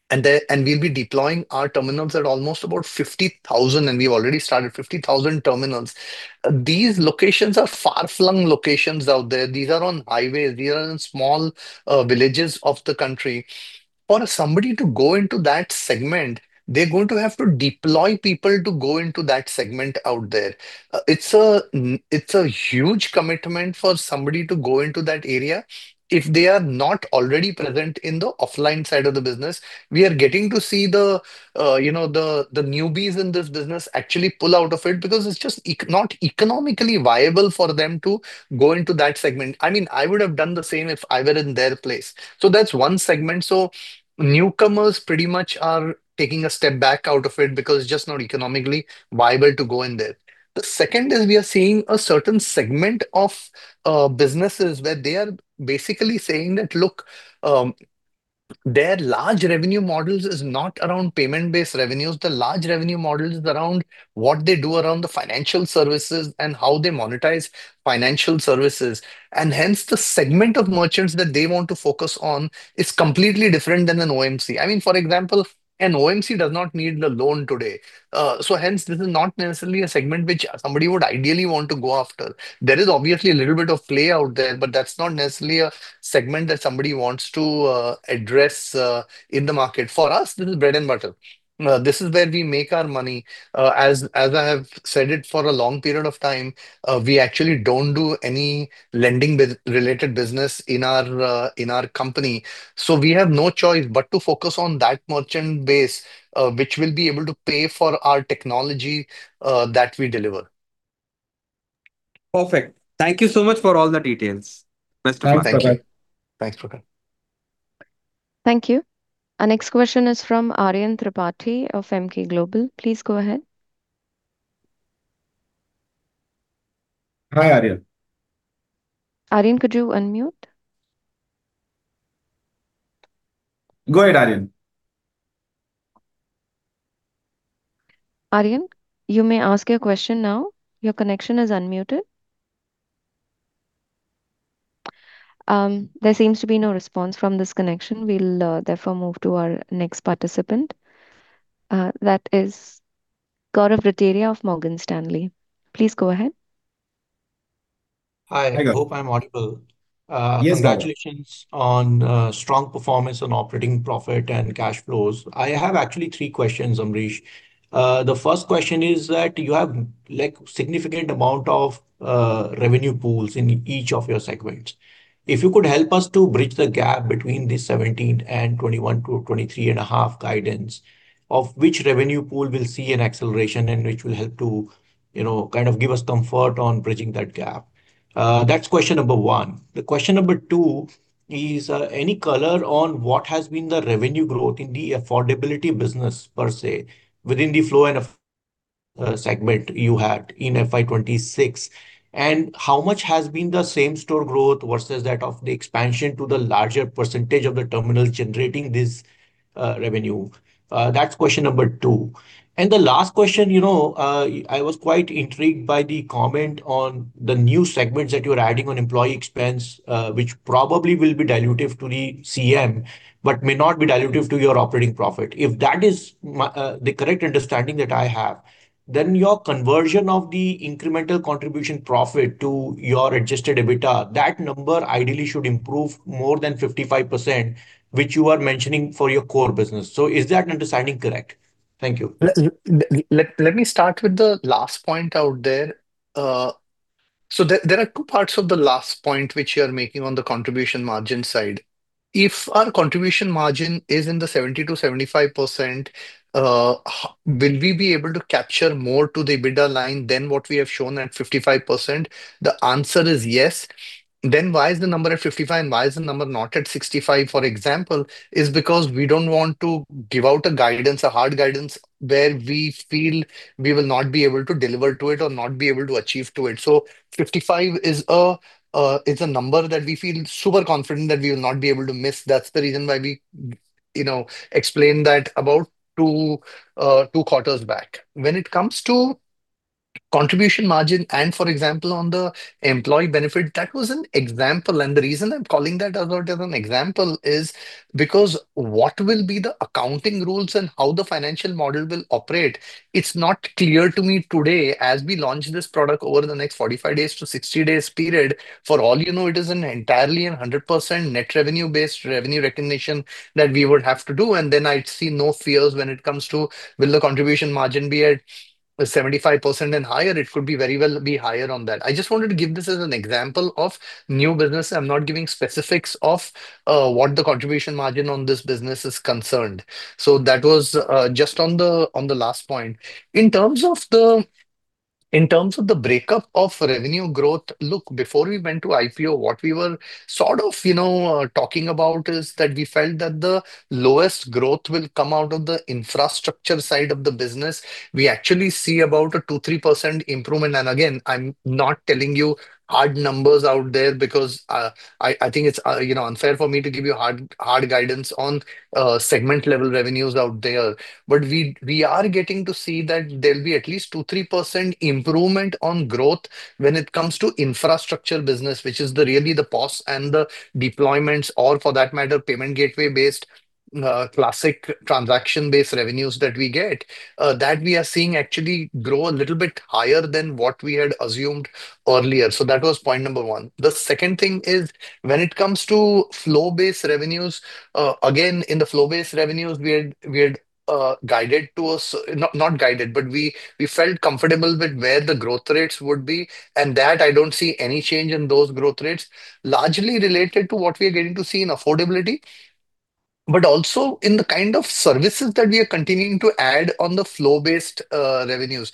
companies, we'll be deploying our terminals at almost about 50,000, and we already started 50,000 terminals. These locations are far-flung locations out there. These are on highways. These are in small villages of the country. For somebody to go into that segment, they're going to have to deploy people to go into that segment out there. It's a huge commitment for somebody to go into that area if they are not already present in the offline side of the business. We are getting to see the newbies in this business actually pull out of it because it's just not economically viable for them to go into that segment. I would have done the same if I were in their place. That's one segment. Newcomers pretty much are taking a step back out of it because it's just not economically viable to go in there. The second is we are seeing a certain segment of businesses where they are basically saying that, look, their large revenue models is not around payment-based revenues. The large revenue model is around what they do around the financial services and how they monetize financial services. Hence, the segment of merchants that they want to focus on is completely different than an OMC. For example, an OMC does not need a loan today. Hence, this is not necessarily a segment which somebody would ideally want to go after. There is obviously a little bit of play out there, but that's not necessarily a segment that somebody wants to address in the market. For us, this is bread and butter. This is where we make our money. As I have said it for a long period of time, we actually don't do any lending-related business in our company. We have no choice but to focus on that merchant base which will be able to pay for our technology that we deliver. Perfect. Thank you so much for all the details. Best regards. Thank you. Thanks Prakhar. Thank you. Our next question is from Aryan Tripathi of Emkay Global. Please go ahead. Hi, Aryan. Aryan, could you unmute? Go ahead, Aryan. Aryan, you may ask your question now. There seems to be no response from this connection. We'll therefore move to our next participant. That is Gaurav Rateria of Morgan Stanley. Please go ahead. Hi, hope I'm audible. Yes, Gaurav. Congratulations on strong performance on operating profit and cash flows. I have actually three questions, Amrish. The first question is that you have significant amount of revenue pools in each of your segments. If you could help us to bridge the gap between the 17% and 21%-23.5% guidance, of which revenue pool we'll see an acceleration and which will help to give us comfort on bridging that gap. That's question number one. The question number two is, any color on what has been the revenue growth in the affordability business per se within the flow segment you had in FY 2026, and how much has been the same-store growth versus that of the expansion to the larger percentage of the terminals generating this revenue? That's question number two. The last question, I was quite intrigued by the comment on the new segments that you're adding on employee expense, which probably will be dilutive to the CM, but may not be dilutive to your operating profit. If that is the correct understanding that I have, your conversion of the incremental contribution profit to your Adjusted EBITDA, that number ideally should improve more than 55%, which you are mentioning for your core business. Is that understanding correct? Thank you. Let me start with the last point out there. There are two parts of the last point which you're making on the contribution margin side. If our contribution margin is in the 70%-75%, will we be able to capture more to the EBITDA line than what we have shown at 55%? The answer is yes. Why is the number at 55%, why is the number not at 65%, for example? It's because we don't want to give out a hard guidance where we feel we will not be able to deliver to it or not be able to achieve to it. 55% is a number that we feel super confident that we will not be able to miss. That's the reason why we explained that about two quarters back. When it comes to contribution margin and, for example, on the employee benefit, that was an example. The reason I'm calling that out as an example is because what will be the accounting rules and how the financial model will operate, it's not clear to me today as we launch this product over the next 45 days to 60 days period. For all you know, it is entirely a 100% net revenue-based revenue recognition that we would have to do, then I see no fears when it comes to will the contribution margin be at 75% and higher. It could very well be higher on that. I just wanted to give this as an example of new business. I'm not giving specifics of what the contribution margin on this business is concerned. That was just on the last point. In terms of the breakup of revenue growth, look, before we went to IPO, what we were sort of talking about is that we felt that the lowest growth will come out of the Infrastructure side of the business. We actually see about a 2%-3% improvement. Again, I'm not telling you hard numbers out there because I think it's unfair for me to give you hard guidance on segment-level revenues out there. We are getting to see that there'll be at least 2%-3% improvement on growth when it comes to Infrastructure business, which is really the POS and the deployments or, for that matter, payment gateway-based, classic transaction-based revenues that we get. That we are seeing actually grow a little bit higher than what we had assumed earlier. That was point number one. The second thing is, when it comes to flow-based revenues, again, in the flow-based revenues, we had guided. Not guided, but we felt comfortable with where the growth rates would be. That I don't see any change in those growth rates, largely related to what we are getting to see in affordability, but also in the kind of services that we are continuing to add on the flow-based revenues.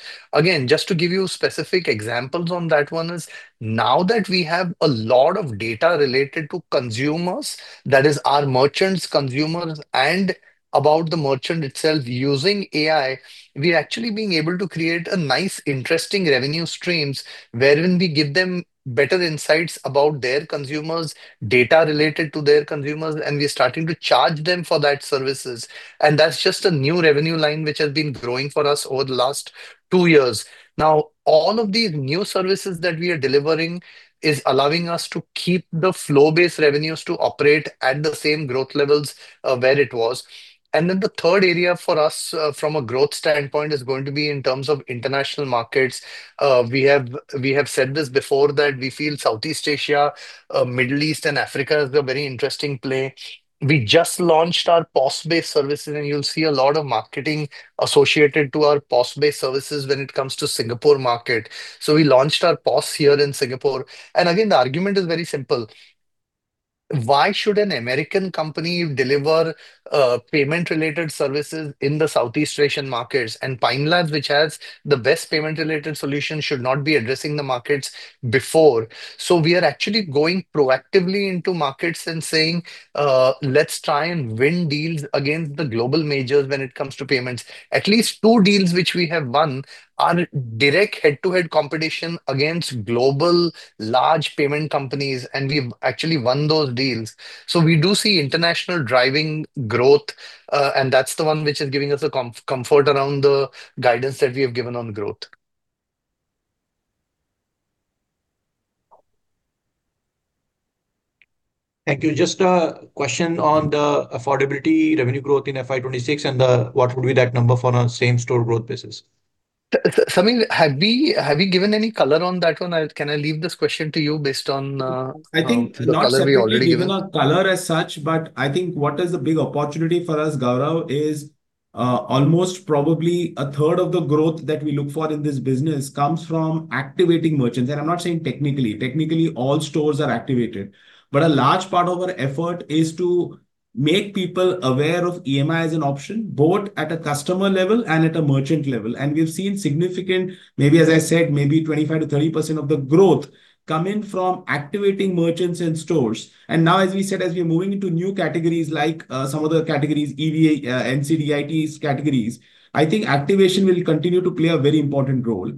Just to give you specific examples on that one is, now that we have a lot of data related to consumers, that is our merchants, consumers, and about the merchant itself using AI, we are actually being able to create a nice, interesting revenue streams wherein we give them better insights about their consumers, data related to their consumers. We are starting to charge them for that services. That's just a new revenue line which has been growing for us over the last two years. All of these new services that we are delivering is allowing us to keep the flow-based revenues to operate at the same growth levels where it was. The third area for us from a growth standpoint is going to be in terms of international markets. We have said this before, that we feel Southeast Asia, Middle East, and Africa is a very interesting play. We just launched our POS-based services, and you'll see a lot of marketing associated to our POS-based services when it comes to Singapore market. We launched our POS here in Singapore. Again, the argument is very simple. Why should an American company deliver payment-related services in the Southeast Asian markets? Pine Labs, which has the best payment-related solution, should not be addressing the markets before. We are actually going proactively into markets and saying, "Let's try and win deals against the global majors when it comes to payments." At least two deals which we have won are direct head-to-head competition against global large payment companies, and we've actually won those deals. We do see international driving growth, and that's the one which is giving us the comfort around the guidance that we have given on growth. Thank you. Just a question on the affordability revenue growth in FY 2026 and what will be that number for on same-store growth basis? Sameer, have we given any color on that one? Can I leave this question to you based on the way we already I think not that we've given a color as such, I think what is a big opportunity for us, Gaurav, is almost probably a third of the growth that we look for in this business comes from activating merchants. I'm not saying technically. Technically, all stores are activated. A large part of our effort is to make people aware of EMI as an option, both at a customer level and at a merchant level. We've seen significant, maybe as I said, maybe 25%-30% of the growth coming from activating merchants and stores. Now, as we said, as we're moving into new categories like some of the categories, non-CDIT categories, I think activation will continue to play a very important role.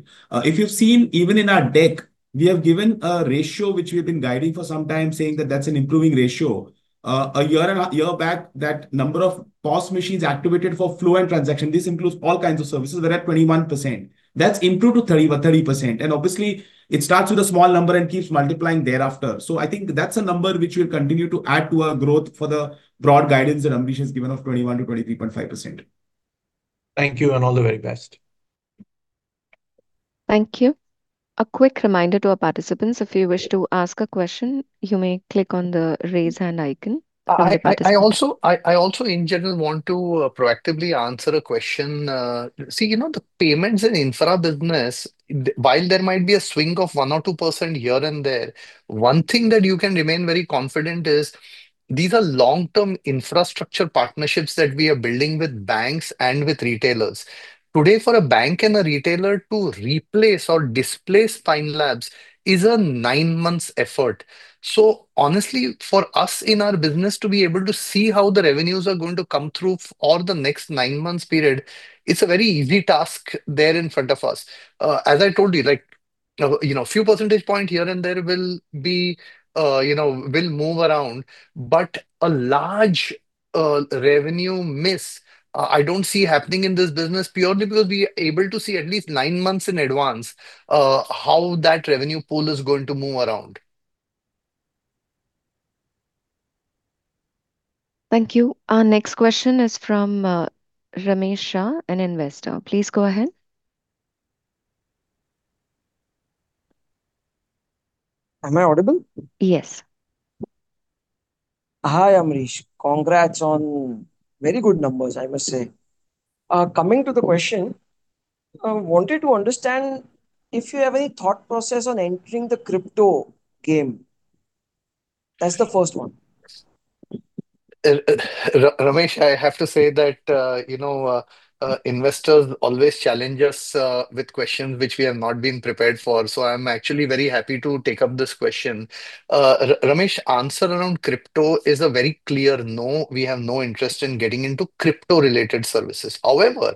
If you've seen, even in our deck, we have given a ratio which we've been guiding for some time, saying that that's an improving ratio. A year back, that number of POS machines activated for flow and transaction, this includes all kinds of services that are at 21%. That's improved to 30%. Obviously, it starts with a small number and keeps multiplying thereafter. I think that's a number which we continue to add to our growth for the broad guidance and ambitions given of 21%-23.5%. Thank you and all the very best. Thank you. A quick reminder to our participants, if you wish to ask a question, you may click on the raise hand icon. I also in general want to proactively answer a question. The Payments and Infra business, while there might be a swing of 1% or 2% here and there, one thing that you can remain very confident is these are long-term infrastructure partnerships that we are building with banks and with retailers. Today, for a bank and a retailer to replace or displace Pine Labs is a nine months effort. Honestly, for us in our business to be able to see how the revenues are going to come through for the next nine months period, it's a very easy task there in front of us. As I told you, a few percentage point here and there will move around, but a large revenue miss, I don't see happening in this business purely because we are able to see at least nine months in advance how that revenue pool is going to move around. Thank you. Our next question is from Ramesh Shah, an investor. Please go ahead. Am I audible? Yes. Hi, Amrish. Congrats on very good numbers, I must say. Coming to the question, I wanted to understand if you have any thought process on entering the crypto game. That's the first one. Ramesh, I have to say that investors always challenge us with questions which we have not been prepared for. I'm actually very happy to take up this question. Ramesh, answer around crypto is a very clear no. We have no interest in getting into crypto-related services. However,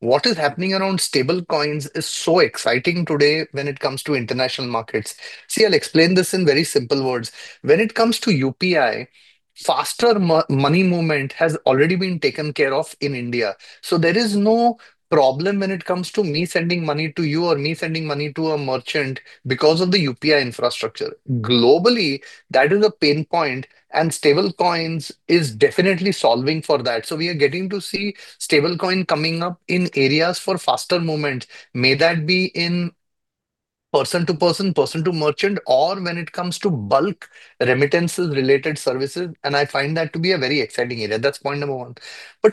what is happening around stablecoins is so exciting today when it comes to international markets. See, I'll explain this in very simple words. When it comes to UPI, faster money movement has already been taken care of in India. There is no problem when it comes to me sending money to you or me sending money to a merchant because of the UPI infrastructure. Globally, that is a pain point, and stablecoins is definitely solving for that. We are getting to see stablecoin coming up in areas for faster movements. May that be in person to person to merchant, or when it comes to bulk remittances related services, and I find that to be a very exciting area. That's point number one.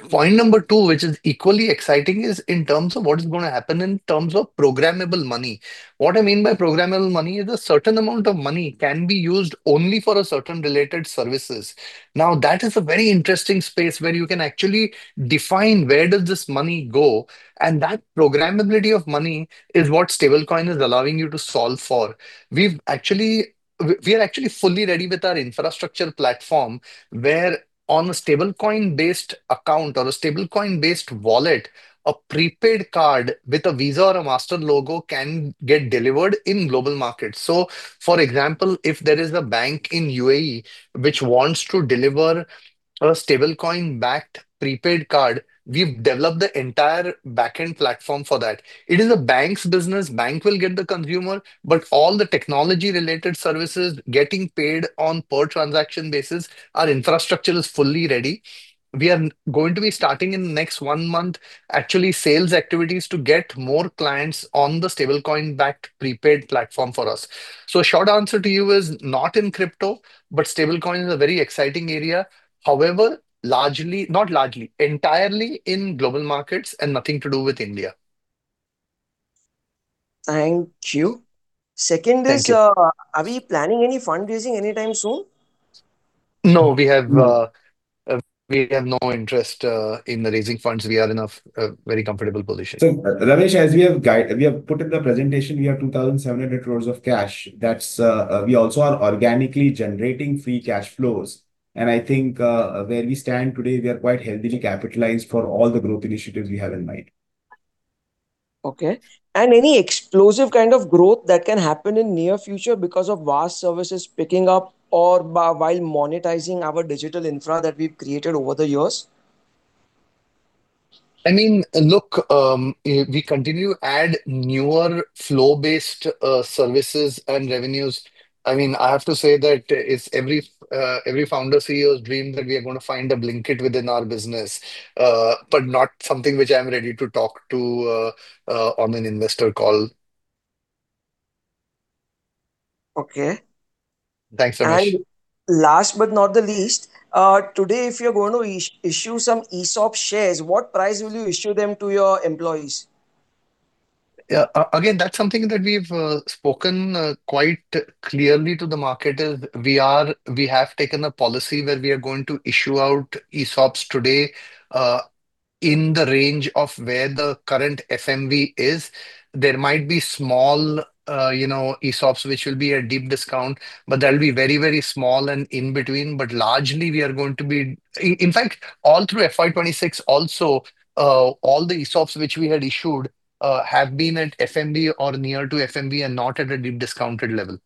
Point number two, which is equally exciting, is in terms of what is going to happen in terms of programmable money. What I mean by programmable money is a certain amount of money can be used only for certain related services. That is a very interesting space where you can actually define where does this money go, and that programmability of money is what stablecoin is allowing you to solve for. We are actually fully ready with our infrastructure platform, where on a stablecoin-based account or a stablecoin-based wallet, a prepaid card with a Visa or a Master logo can get delivered in global markets. For example, if there is a bank in UAE which wants to deliver a stablecoin-backed prepaid card, we've developed the entire back-end platform for that. It is a bank's business. Bank will get the consumer, but all the technology-related services getting paid on per transaction basis. Our infrastructure is fully ready. We are going to be starting in the next one month, actually sales activities to get more clients on the stablecoin-backed prepaid platform for us. Short answer to you is not in crypto, but stablecoin is a very exciting area. However, entirely in global markets and nothing to do with India. Thank you. Thank you. Second is, are we planning any fundraising anytime soon? No, we have no interest in raising funds. We are in a very comfortable position. Ramesh, as we have put in the presentation, we have 2,700 crores of cash. We also are organically generating free cash flows. I think where we stand today, we are quite heavily capitalized for all the growth initiatives we have in mind. Okay. Any explosive kind of growth that can happen in near future because of VAS services picking up or while monetizing our digital infra that we've created over the years? Look, we continue to add newer flow-based services and revenues. I have to say that it's every founder CEO's dream that we are going to find a Blinkit within our business, but not something which I'm ready to talk to on an investor call. Okay. Thanks, Ramesh. Last but not the least, today, if you're going to issue some ESOP shares, what price will you issue them to your employees? That's something that we've spoken quite clearly to the market, is we have taken a policy where we are going to issue out ESOPs today, in the range of where the current FMV is. There might be small ESOPs, which will be at deep discount, but they'll be very small and in between. Largely, in fact, all through FY 2026 also, all the ESOPs which we had issued have been at FMV or near to FMV and not at a deep discounted level.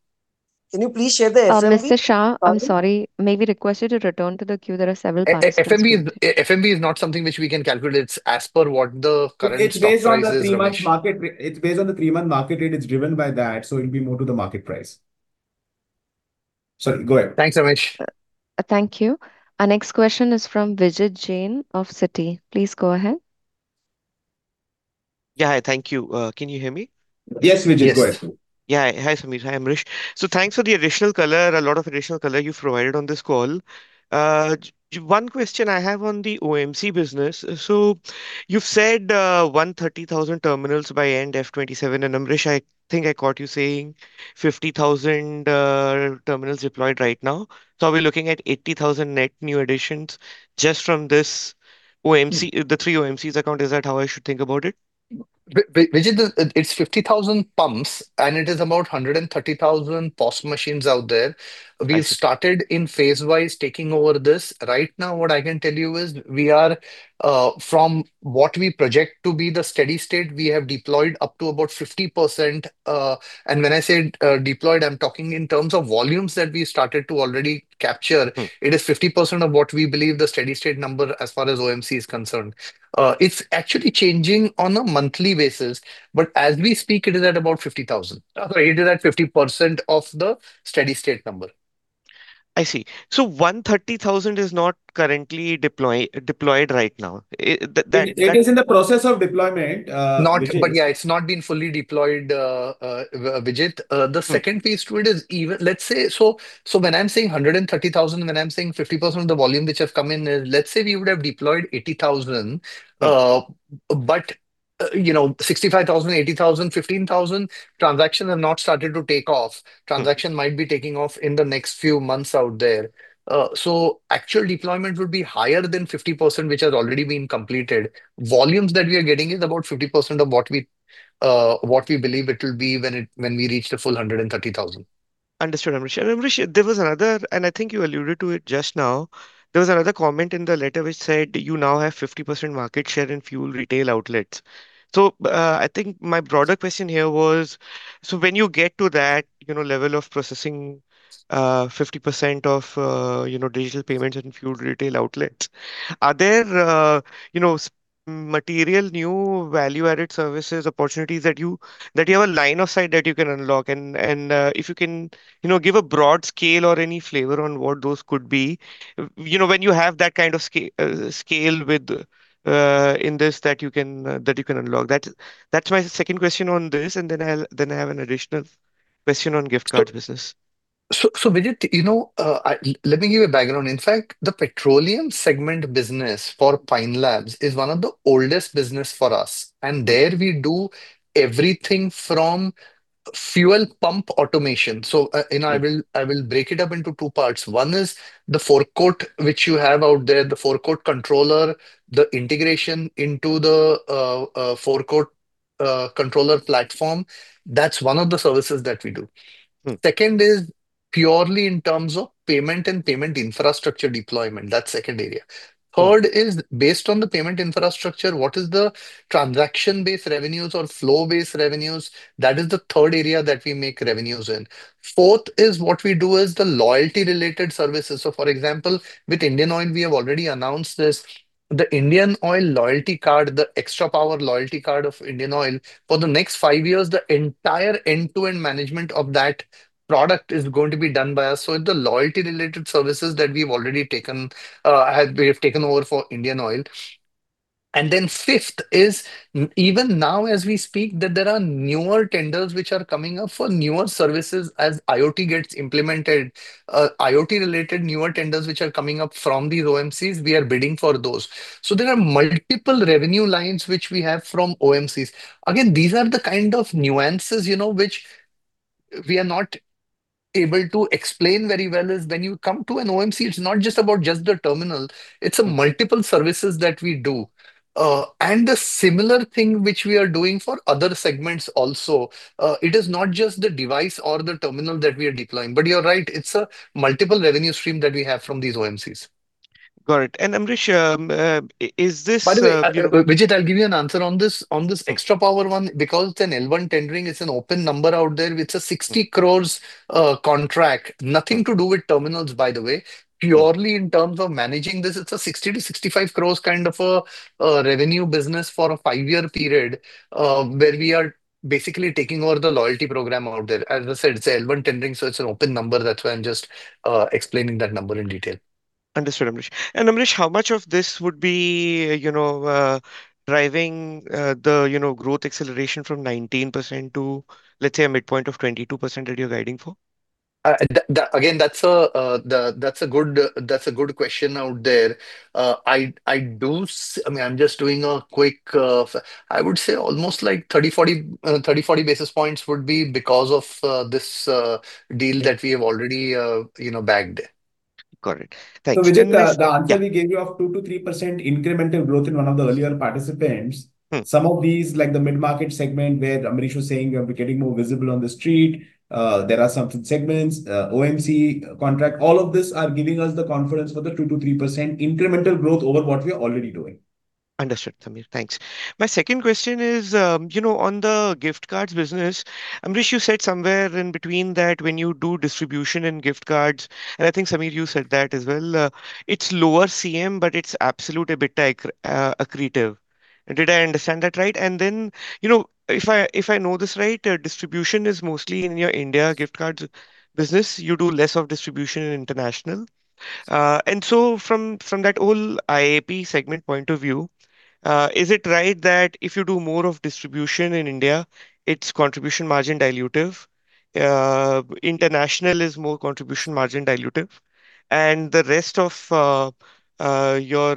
Can you please share the? Mr. Shah, I'm sorry. May we request you to return to the queue? There are several participants in queue. FMV is not something which we can calculate. It is as per what the current stock price is. It's based on the three-month market rate. It's driven by that, so it'll be more to the market price. Sorry, go ahead. Thanks, Ramesh. Thank you. Our next question is from Vijit Jain of Citi. Please go ahead. Yeah. Thank you. Can you hear me? Yes, Vijit. Go ahead. Yeah. Hi, Sameer. Hi, Amrish. Thanks for the additional color. A lot of additional color you've provided on this call. One question I have on the OMC business. You've said 130,000 terminals by end FY 2027. Amrish. I think I caught you saying 50,000 terminals deployed right now. Are we looking at 80,000 net new additions just from the three OMCs account? Is that how I should think about it? Vijit, it's 50,000 pumps and it is about 130,000 POS machines out there. We've started in phase-wise taking over this. Right now, what I can tell you is, from what we project to be the steady state, we have deployed up to about 50%. When I say deployed, I'm talking in terms of volumes that we started to already capture. It is 50% of what we believe the steady state number as far as OMC is concerned. It's actually changing on a monthly basis. As we speak, it is at about 50,000. It is at 50% of the steady state number. I see. 130,000 is not currently deployed right now. It is in the process of deployment, Vijit. Yeah, it's not been fully deployed, Vijit. The second piece to it is, when I'm saying 130,000, when I'm saying 50% of the volume which have come in, let's say we would have deployed 80,000. 65,000, 80,000, 15,000 transactions have not started to take off. Transaction might be taking off in the next few months out there. Actual deployment would be higher than 50%, which has already been completed. Volumes that we are getting is about 50% of what we believe it will be when we reach the full 130,000. Understood, Amrish. Amrish, I think you alluded to it just now, there was another comment in the letter which said you now have 50% market share in fuel retail outlets. I think my broader question here was, when you get to that level of processing 50% of digital payments in fuel retail outlets, are there material new value-added services opportunities that you have a line of sight that you can unlock? If you can give a broad scale or any flavor on what those could be. When you have that kind of scale in this that you can unlock. That's my second question on this, I have an additional question on gift card business. Vijit, let me give you background. In fact, the petroleum segment business for Pine Labs is one of the oldest business for us, and there we do everything from fuel pump automation. I will break it up into two parts. One is the forecourt, which you have out there, the forecourt controller, the integration into the forecourt controller platform. That's one of the services that we do. Second is purely in terms of payment and payment infrastructure deployment. That's second area. Third is based on the payment infrastructure, what is the transaction-based revenues or flow-based revenues. That is the third area that we make revenues in. Fourth is what we do is the loyalty-related services. For example, with IndianOil, we have already announced this. The IndianOil loyalty card, the XTRAPOWER loyalty card of IndianOil, for the next five years, the entire end-to-end management of that product is going to be done by us. It's the loyalty-related services that we have taken over for IndianOil. Fifth is even now as we speak, that there are newer tenders which are coming up for newer services as IoT gets implemented. IoT-related newer tenders which are coming up from the OMCs, we are bidding for those. There are multiple revenue lines which we have from OMCs. Again, these are the kind of nuances which we are not able to explain very well is when you come to an OMC, it's not just about just the terminal, it's multiple services that we do. The similar thing which we are doing for other segments also. It is not just the device or the terminal that we are deploying. You're right, it's a multiple revenue stream that we have from these OMCs. Got it. Amrish, is this- By the way, Vijit, I'll give you an answer on this XTRAPOWER one, because it's an L1 tendering, it's an open number out there. It's an 60 crores contract. Nothing to do with terminals, by the way. Purely in terms of managing this, it's an 60 crores-65 crores kind of a revenue business for a five-year period, where we are basically taking over the loyalty program out there. As I said, it's an L1 tendering, so it's an open number. That's why I'm just explaining that number in detail. Understood, Amrish. Amrish, how much of this would be driving the growth acceleration from 19% to, let's say, a midpoint of 22% that you're guiding for? Again, that's a good question out there. I'm just doing I would say almost 30, 40 basis points would be because of this deal that we have already bagged. Got it. Thanks. The answer we gave you of 2%-3% incremental growth in one of the earlier participants, some of these, like the mid-market segment where Amrish was saying we are becoming more visible on the street. There are certain segments, OMC contract, all of this are giving us the confidence for the 2%-3% incremental growth over what we're already doing. Understood, Sameer. Thanks. My second question is on the Gift Cards business. Amrish, you said somewhere in between that when you do distribution and gift cards, and I think, Sameer, you said that as well, it's lower CM, but it's absolute a bit accretive. Did I understand that right? If I know this right, distribution is mostly in your India Gift Cards business. You do less of distribution in international. From that whole I&A segment point of view, is it right that if you do more of distribution in India, it's contribution margin dilutive, international is more contribution margin dilutive, and the rest of your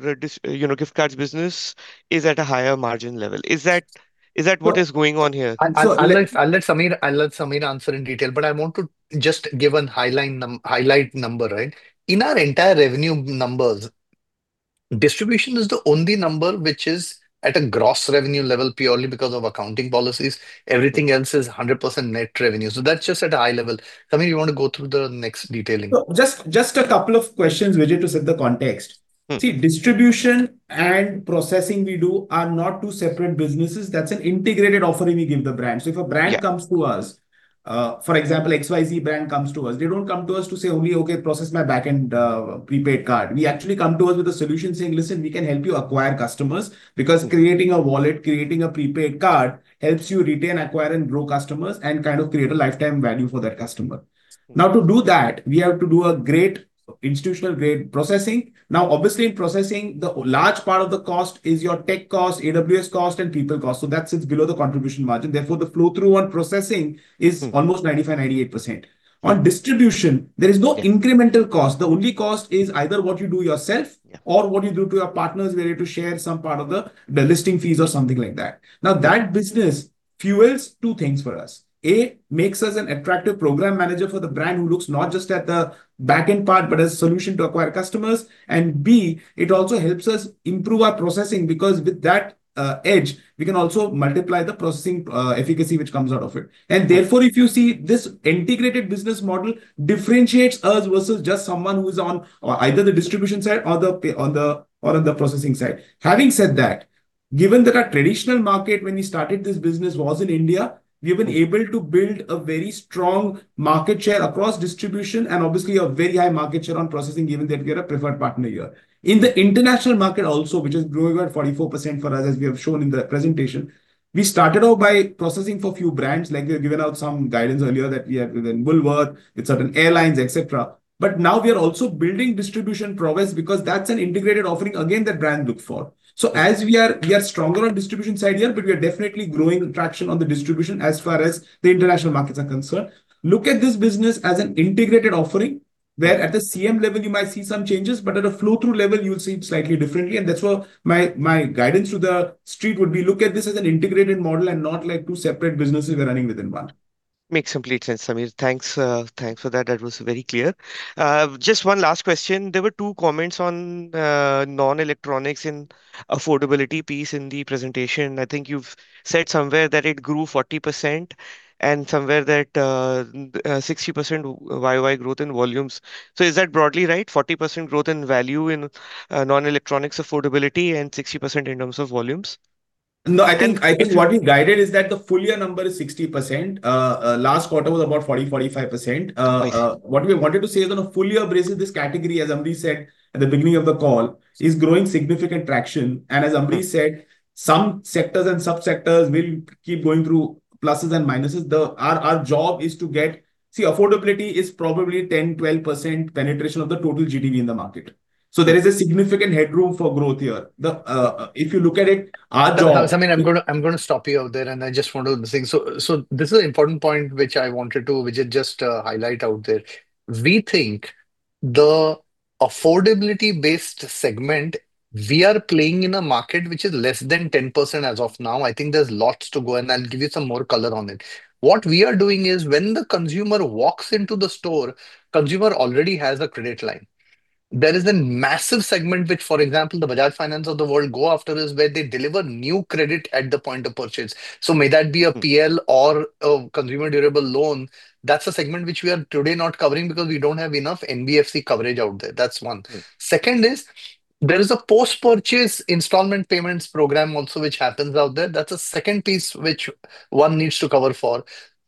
Gift Cards business is at a higher margin level. Is that what is going on here? I'll let Sameer answer in detail, but I want to just give a highlight number. In our entire revenue numbers, distribution is the only number which is at a gross revenue level purely because of accounting policies. Everything else is 100% net revenue. That's just at a high level. Sameer, you want to go through the next detailing? Just a couple of questions, Vijit, to set the context. Distribution and processing we do are not two separate businesses. That's an integrated offering we give the brand. If a brand comes to us, for example, XYZ brand comes to us, they don't come to us to say, "Okay, process my back-end prepaid card." We actually come to you with a solution saying, "Listen, we can help you acquire customers," because creating a wallet, creating a prepaid card, helps you retain, acquire, and grow customers and kind of create a lifetime value for that customer. Now, to do that, we have to do a great institutional-grade processing. Obviously, in processing, the large part of the cost is your tech cost, AWS cost, and people cost. That sits below the contribution margin. The flow-through on processing is almost 90%, 98%. On distribution, there's no incremental cost. The only cost is either what you do yourself or what you do to your partners where you have to share some part of the listing fees or something like that. That business fuels two things for us. A, makes us an attractive program manager for the brand who looks not just at the back-end part but as a solution to acquire customers. B, it also helps us improve our processing because with that edge, we can also multiply the processing efficacy which comes out of it. Therefore, if you see this integrated business model differentiates us versus just someone who's on either the distribution side or on the processing side. Having said that, given that our traditional market when we started this business was in India, we were able to build a very strong market share across distribution and obviously a very high market share on processing, given that we are a preferred partner here. In the international market also, which is growing at 44% for us, as we have shown in the presentation, we started out by processing for a few brands. Like we have given out some guidance earlier that we have done Woolworths with certain airlines, et cetera. Now we are also building distribution progress because that's an integrated offering, again, that brands look for. As we are stronger on distribution side here, but we are definitely growing traction on the distribution as far as the international markets are concerned. Look at this business as an integrated offering where at the CM level you might see some changes, but at a flow-through level, you'll see it slightly differently. That's why my guidance to the street would be look at this as an integrated model and not like two separate businesses running within one. Makes complete sense, Sameer. Thanks for that. That was very clear. Just one last question. There were two comments on non-electronics and affordability piece in the presentation. I think you've said somewhere that it grew 40% and somewhere that 60% YoY growth in volumes. Is that broadly right, 40% growth in value in non-electronics affordability and 60% in terms of volumes? No, I think what we guided is that the full-year number is 60%. Last quarter was about 40%-45%. What we wanted to say is on a full-year basis, this category, as Amrish said at the beginning of the call, is growing significant traction. As Amrish said, some sectors and sub-sectors will keep going through pluses and minuses. See, affordability is probably 10%-12% penetration of the total GTV in the market. There is a significant headroom for growth here. Sameer, I'm going to stop you there and I just want to listen. This is an important point which I wanted to just highlight out there. We think the affordability-based segment, we are playing in a market which is less than 10% as of now. I think there's lots to go and I'll give you some more color on it. What we are doing is when the consumer walks into the store, consumer already has a credit line. There is a massive segment which, for example, the Bajaj Finance of the world go after this where they deliver new credit at the point of purchase. May that be a PL or a consumer durable loan, that's a segment which we are today not covering because we don't have enough NBFC coverage out there. That's one. Second is, there is a post-purchase installment payments program also which happens out there. That's a second piece which one needs to cover for.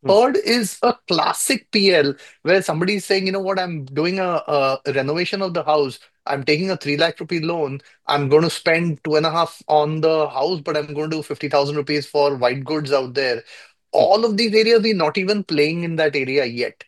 Third is a classic PL where somebody is saying, "You know what? I'm doing a renovation of the house. I'm taking an 300,000 rupee loan. I'm going to spend 250,000 on the house, but I'm going to do 50,000 rupees for white goods out there." All of these areas, we're not even playing in that area yet.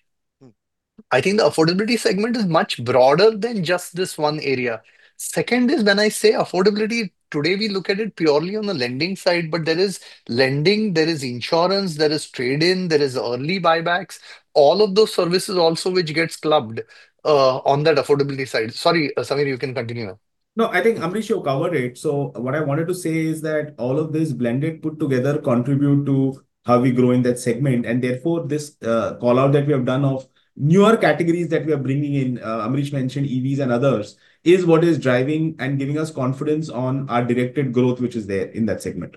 I think the affordability segment is much broader than just this one area. Second is when I say affordability, today we look at it purely on the lending side, but there is lending, there is insurance, there is trade-in, there is early buybacks, all of those services also which gets clubbed on that affordability side. Sorry, Sameer, you can continue now. No, I think Amrish, you covered it. What I wanted to say is that all of this blended put together contribute to how we grow in that segment. Therefore, this call-out that we have done of newer categories that we are bringing in, Amrish mentioned EVs and others, is what is driving and giving us confidence on our directed growth which is there in that segment.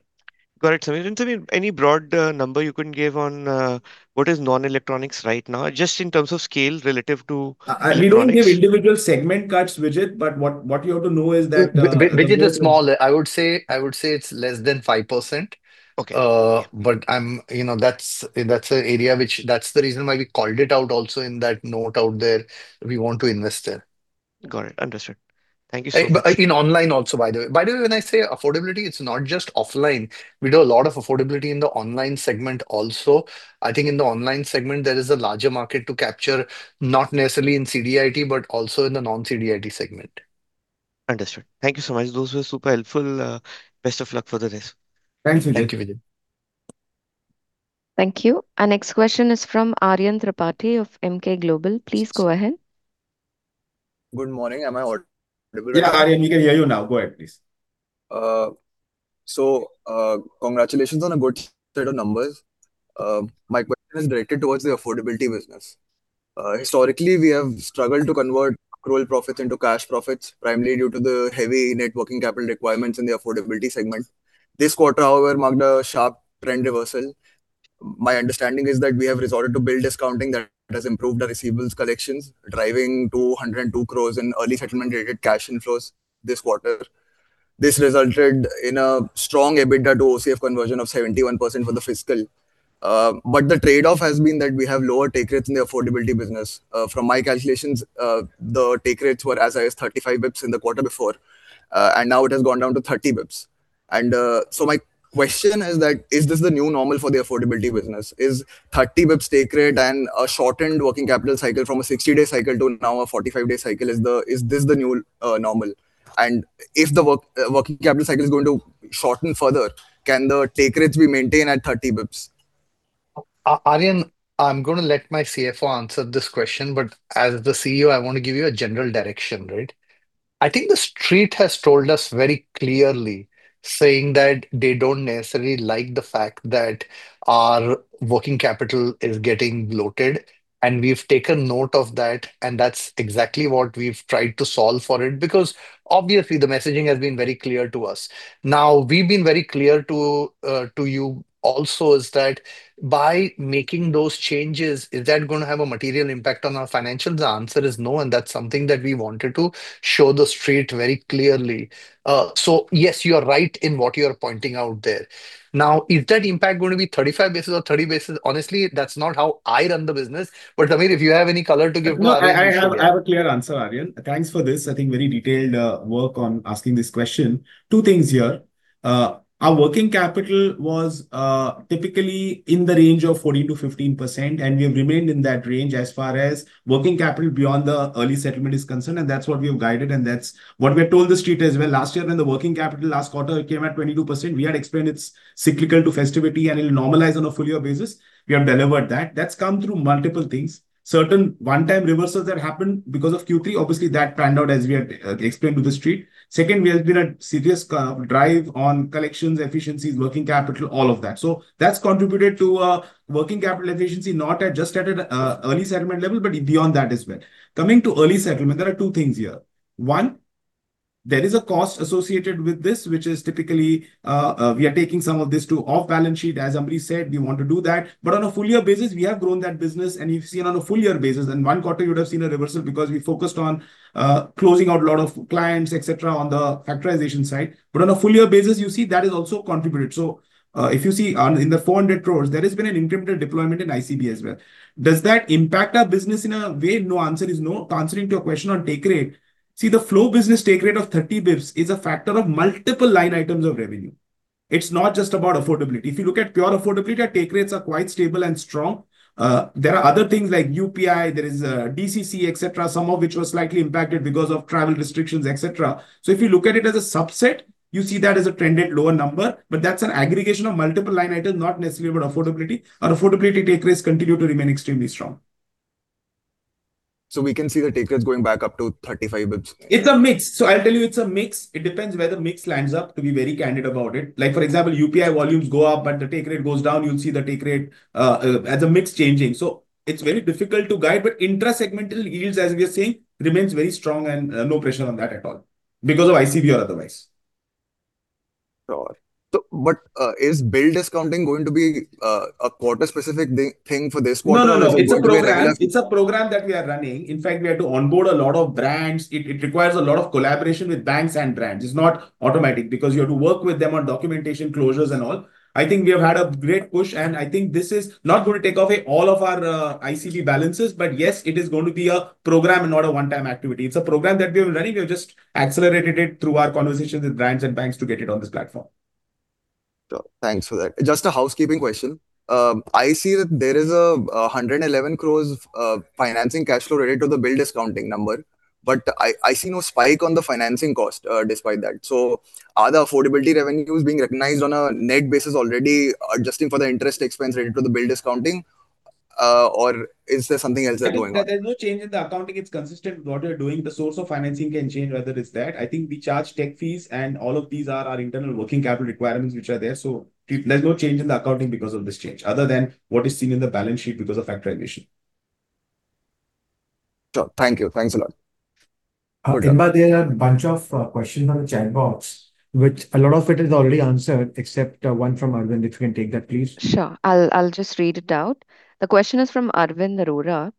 Got it. Any broad number you can give on what is non-electronics right now, just in terms of scales relative to electronics? We don't give individual segment cuts, Vijit, but what you have to know is that- Vijit is small. I would say it's less than 5%. Okay. That's the reason why we called it out also in that note out there, we want to invest there. Got it. Understood. Thank you so much. In online also, by the way. By the way, when I say affordability, it's not just offline. We do a lot of affordability in the Online segment also. I think in the online segment, there is a larger market to capture, not necessarily in CDIT, but also in the non-CDIT segment. Understood. Thank you so much. Those were super helpful. Best of luck for the rest. Thank you, Vijit. Thank you. Our next question is from Aryan Tripathi of Emkay Global. Please go ahead. Good morning. Am I audible? Yeah, Aryan, we can hear you now. Go ahead, please. Congratulations on a good set of numbers. My question is directed towards the affordability business. Historically, we have struggled to convert accrual profits into cash profits, primarily due to the heavy networking capital requirements in the affordability segment. This quarter, however, marked a sharp trend reversal. My understanding is that we have resorted to bill discounting that has improved our receivables collections, driving 102 crores in early settlement-related cash inflows this quarter. This resulted in a strong EBITDA to OCFR conversion of 71% for the fiscal. The trade-off has been that we have lower take rates in the affordability business. From my calculations, the take rates were as high as 35 basis points in the quarter before. Now it has gone down to 30 basis points. My question is that, is this the new normal for the affordability business? Is 30 basis points take rate and a shortened working capital cycle from a 60-day cycle to now a 45-day cycle, is this the new normal? If the working capital cycle is going to shorten further, can the take rates be maintained at 30 basis points? Aryan, I'm going to let my CFO answer this question, but as the CEO, I want to give you a general direction. I think the Street has told us very clearly, saying that they don't necessarily like the fact that our working capital is getting bloated. We've taken note of that, and that's exactly what we've tried to solve for it, because obviously, the messaging has been very clear to us. Now, we've been very clear to you also is that by making those changes, is that going to have a material impact on our financials? The answer is no, and that's something that we wanted to show the Street very clearly. Yes, you are right in what you are pointing out there. Now, is that impact going to be 35 basis or 30 basis? Honestly, that's not how I run the business. Sameer, do you have any color to give on that? No, I have a clear answer, Aryan. Thanks for this, I think very detailed work on asking this question. Two things here. Our working capital was typically in the range of 14%-15%, and we have remained in that range as far as working capital beyond the early settlement is concerned, and that's what we have guided, and that's what we have told the Street as well. Last year when the working capital last quarter came at 22%, we had explained it's cyclical to festivity and will normalize on a full year basis. We have delivered that. That's come through multiple things. Certain one-time reversals that happened because of Q3, obviously, that panned out as we had explained to the Street. Second, we have been a serious drive on collections, efficiencies, working capital, all of that. That's contributed to working capital efficiency, not just at an early settlement level, but beyond that as well. Coming to early settlement, there are two things here. One, there is a cost associated with this, which is typically, we are taking some of this to off-balance sheet. As Amrish said, we want to do that. On a full year basis, we have grown that business, and you've seen on a full year basis, in one quarter you would have seen a reversal because we focused on closing out a lot of clients, et cetera, on the factorization side. On a full year basis, you see that has also contributed. If you see in the 400 crores, there has been an incremental deployment in ICB as well. Does that impact our business in a way? No, answer is no. Answering to your question on take rate, see the flow business take rate of 30 basis points is a factor of multiple line items of revenue. It's not just about affordability. If you look at pure affordability, take rates are quite stable and strong. There are other things like UPI, there is DCC, et cetera, some of which was slightly impacted because of travel restrictions, et cetera. If you look at it as a subset, you see that as a trend at lower number, but that's an aggregation of multiple line items, not necessarily about affordability. Our affordability take rates continue to remain extremely strong. We can see the take rates going back up to 35 basis points. It's a mix. I'll tell you it's a mix. It depends where the mix lands up, to be very candid about it. For example, UPI volumes go up, but the take rate goes down, you'll see the take rate as a mix changing. It's very difficult to guide, but intra-segmental yields, as we are seeing, remains very strong and no pressure on that at all. Because of ICB otherwise. Got it. Is bill discounting going to be a quarter-specific thing for this quarter? No, no, it's a program that we are running. In fact, we had to onboard a lot of brands. It requires a lot of collaboration with banks and brands. It's not automatic because you have to work with them on documentation closures and all. I think we have had a great push, and I think this is not going to take away all of our ICB balances, but yes, it is going to be a program and not a one-time activity. It's a program that we have been running. We have just accelerated it through our conversations with brands and banks to get it on this platform. Thanks for that. Just a housekeeping question. I see that there is 111 crores financing cash flow related to the bill discounting number, but I see no spike on the financing cost despite that. Are the affordability revenues being recognized on a net basis already, adjusting for the interest expense related to bill discounting, is there something else that going on? There's no change in the accounting. It's consistent with what we are doing. The source of financing can change. Other than that, I think we charge tech fees and all of these are our internal working capital requirements, which are there. There's no change in the accounting because of this change other than what is seen in the balance sheet because of factorization. Thank you. Thanks a lot. Amrish, there are a bunch of questions on the chat box, which a lot of it is already answered except one from Arvind Arora. If we can take that, please. Sure. I'll just read it out. The question is from Arvind Arora.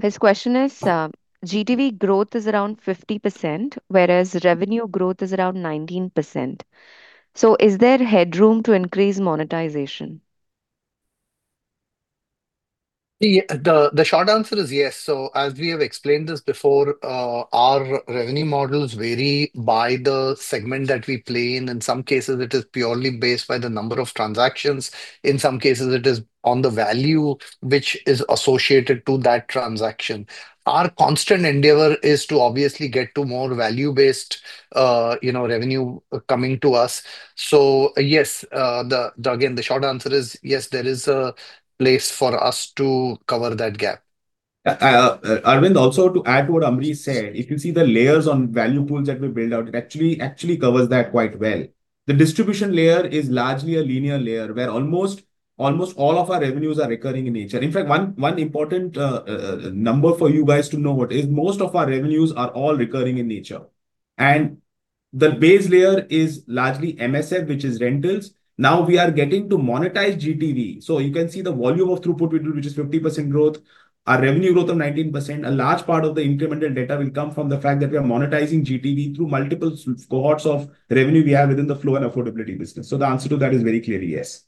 His question is, "GTV growth is around 50%, whereas revenue growth is around 19%. Is there headroom to increase monetization? The short answer is yes. As we have explained this before, our revenue models vary by the segment that we play in. In some cases it is purely based by the number of transactions. In some cases it is on the value which is associated to that transaction. Our constant endeavor is to obviously get to more value-based revenue coming to us. Yes, again, the short answer is yes, there is a place for us to cover that gap. Arvind, also to add to what Amrish said, if you see the layers on value pools that we build out, actually covers that quite well. The distribution layer is largely a linear layer where almost all of our revenues are recurring in nature. In fact, one important number for you guys to know what is most of our revenues are all recurring in nature. The base layer is largely MSF, which is rentals. Now we are getting to monetize GTV. You can see the volume of throughput, which is 50% growth, our revenue growth of 19%. A large part of the incremental data will come from the fact that we are monetizing GTV through multiple cohorts of revenue we have within the flow and affordability business. The answer to that is very clear, yes.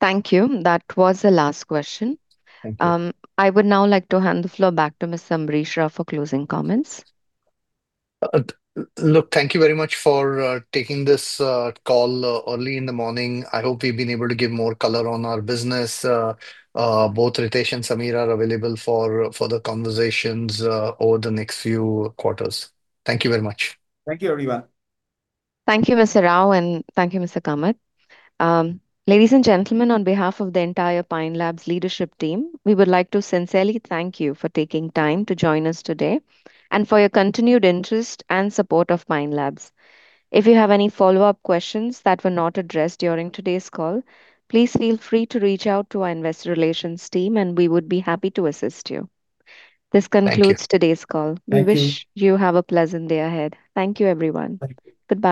Thank you. That was the last question. Thank you. I would now like to hand the floor back to Mr. Amrish Rau for closing comments. Thank you very much for taking this call early in the morning. I hope we've been able to give more color on our business. Both Ritesh and Sameer are available for the conversations over the next few quarters. Thank you very much. Thank you everyone. Thank you, Mr. Rau, and thank you, Mr. Kamath. Ladies and gentlemen, on behalf of the entire Pine Labs leadership team, we would like to sincerely thank you for taking time to join us today and for your continued interest and support of Pine Labs. If you have any follow-up questions that were not addressed during today's call, please feel free to reach out to our investor relations team and we would be happy to assist you. This concludes today's call. Thank you. We wish you have a pleasant day ahead. Thank you everyone. Bye-bye.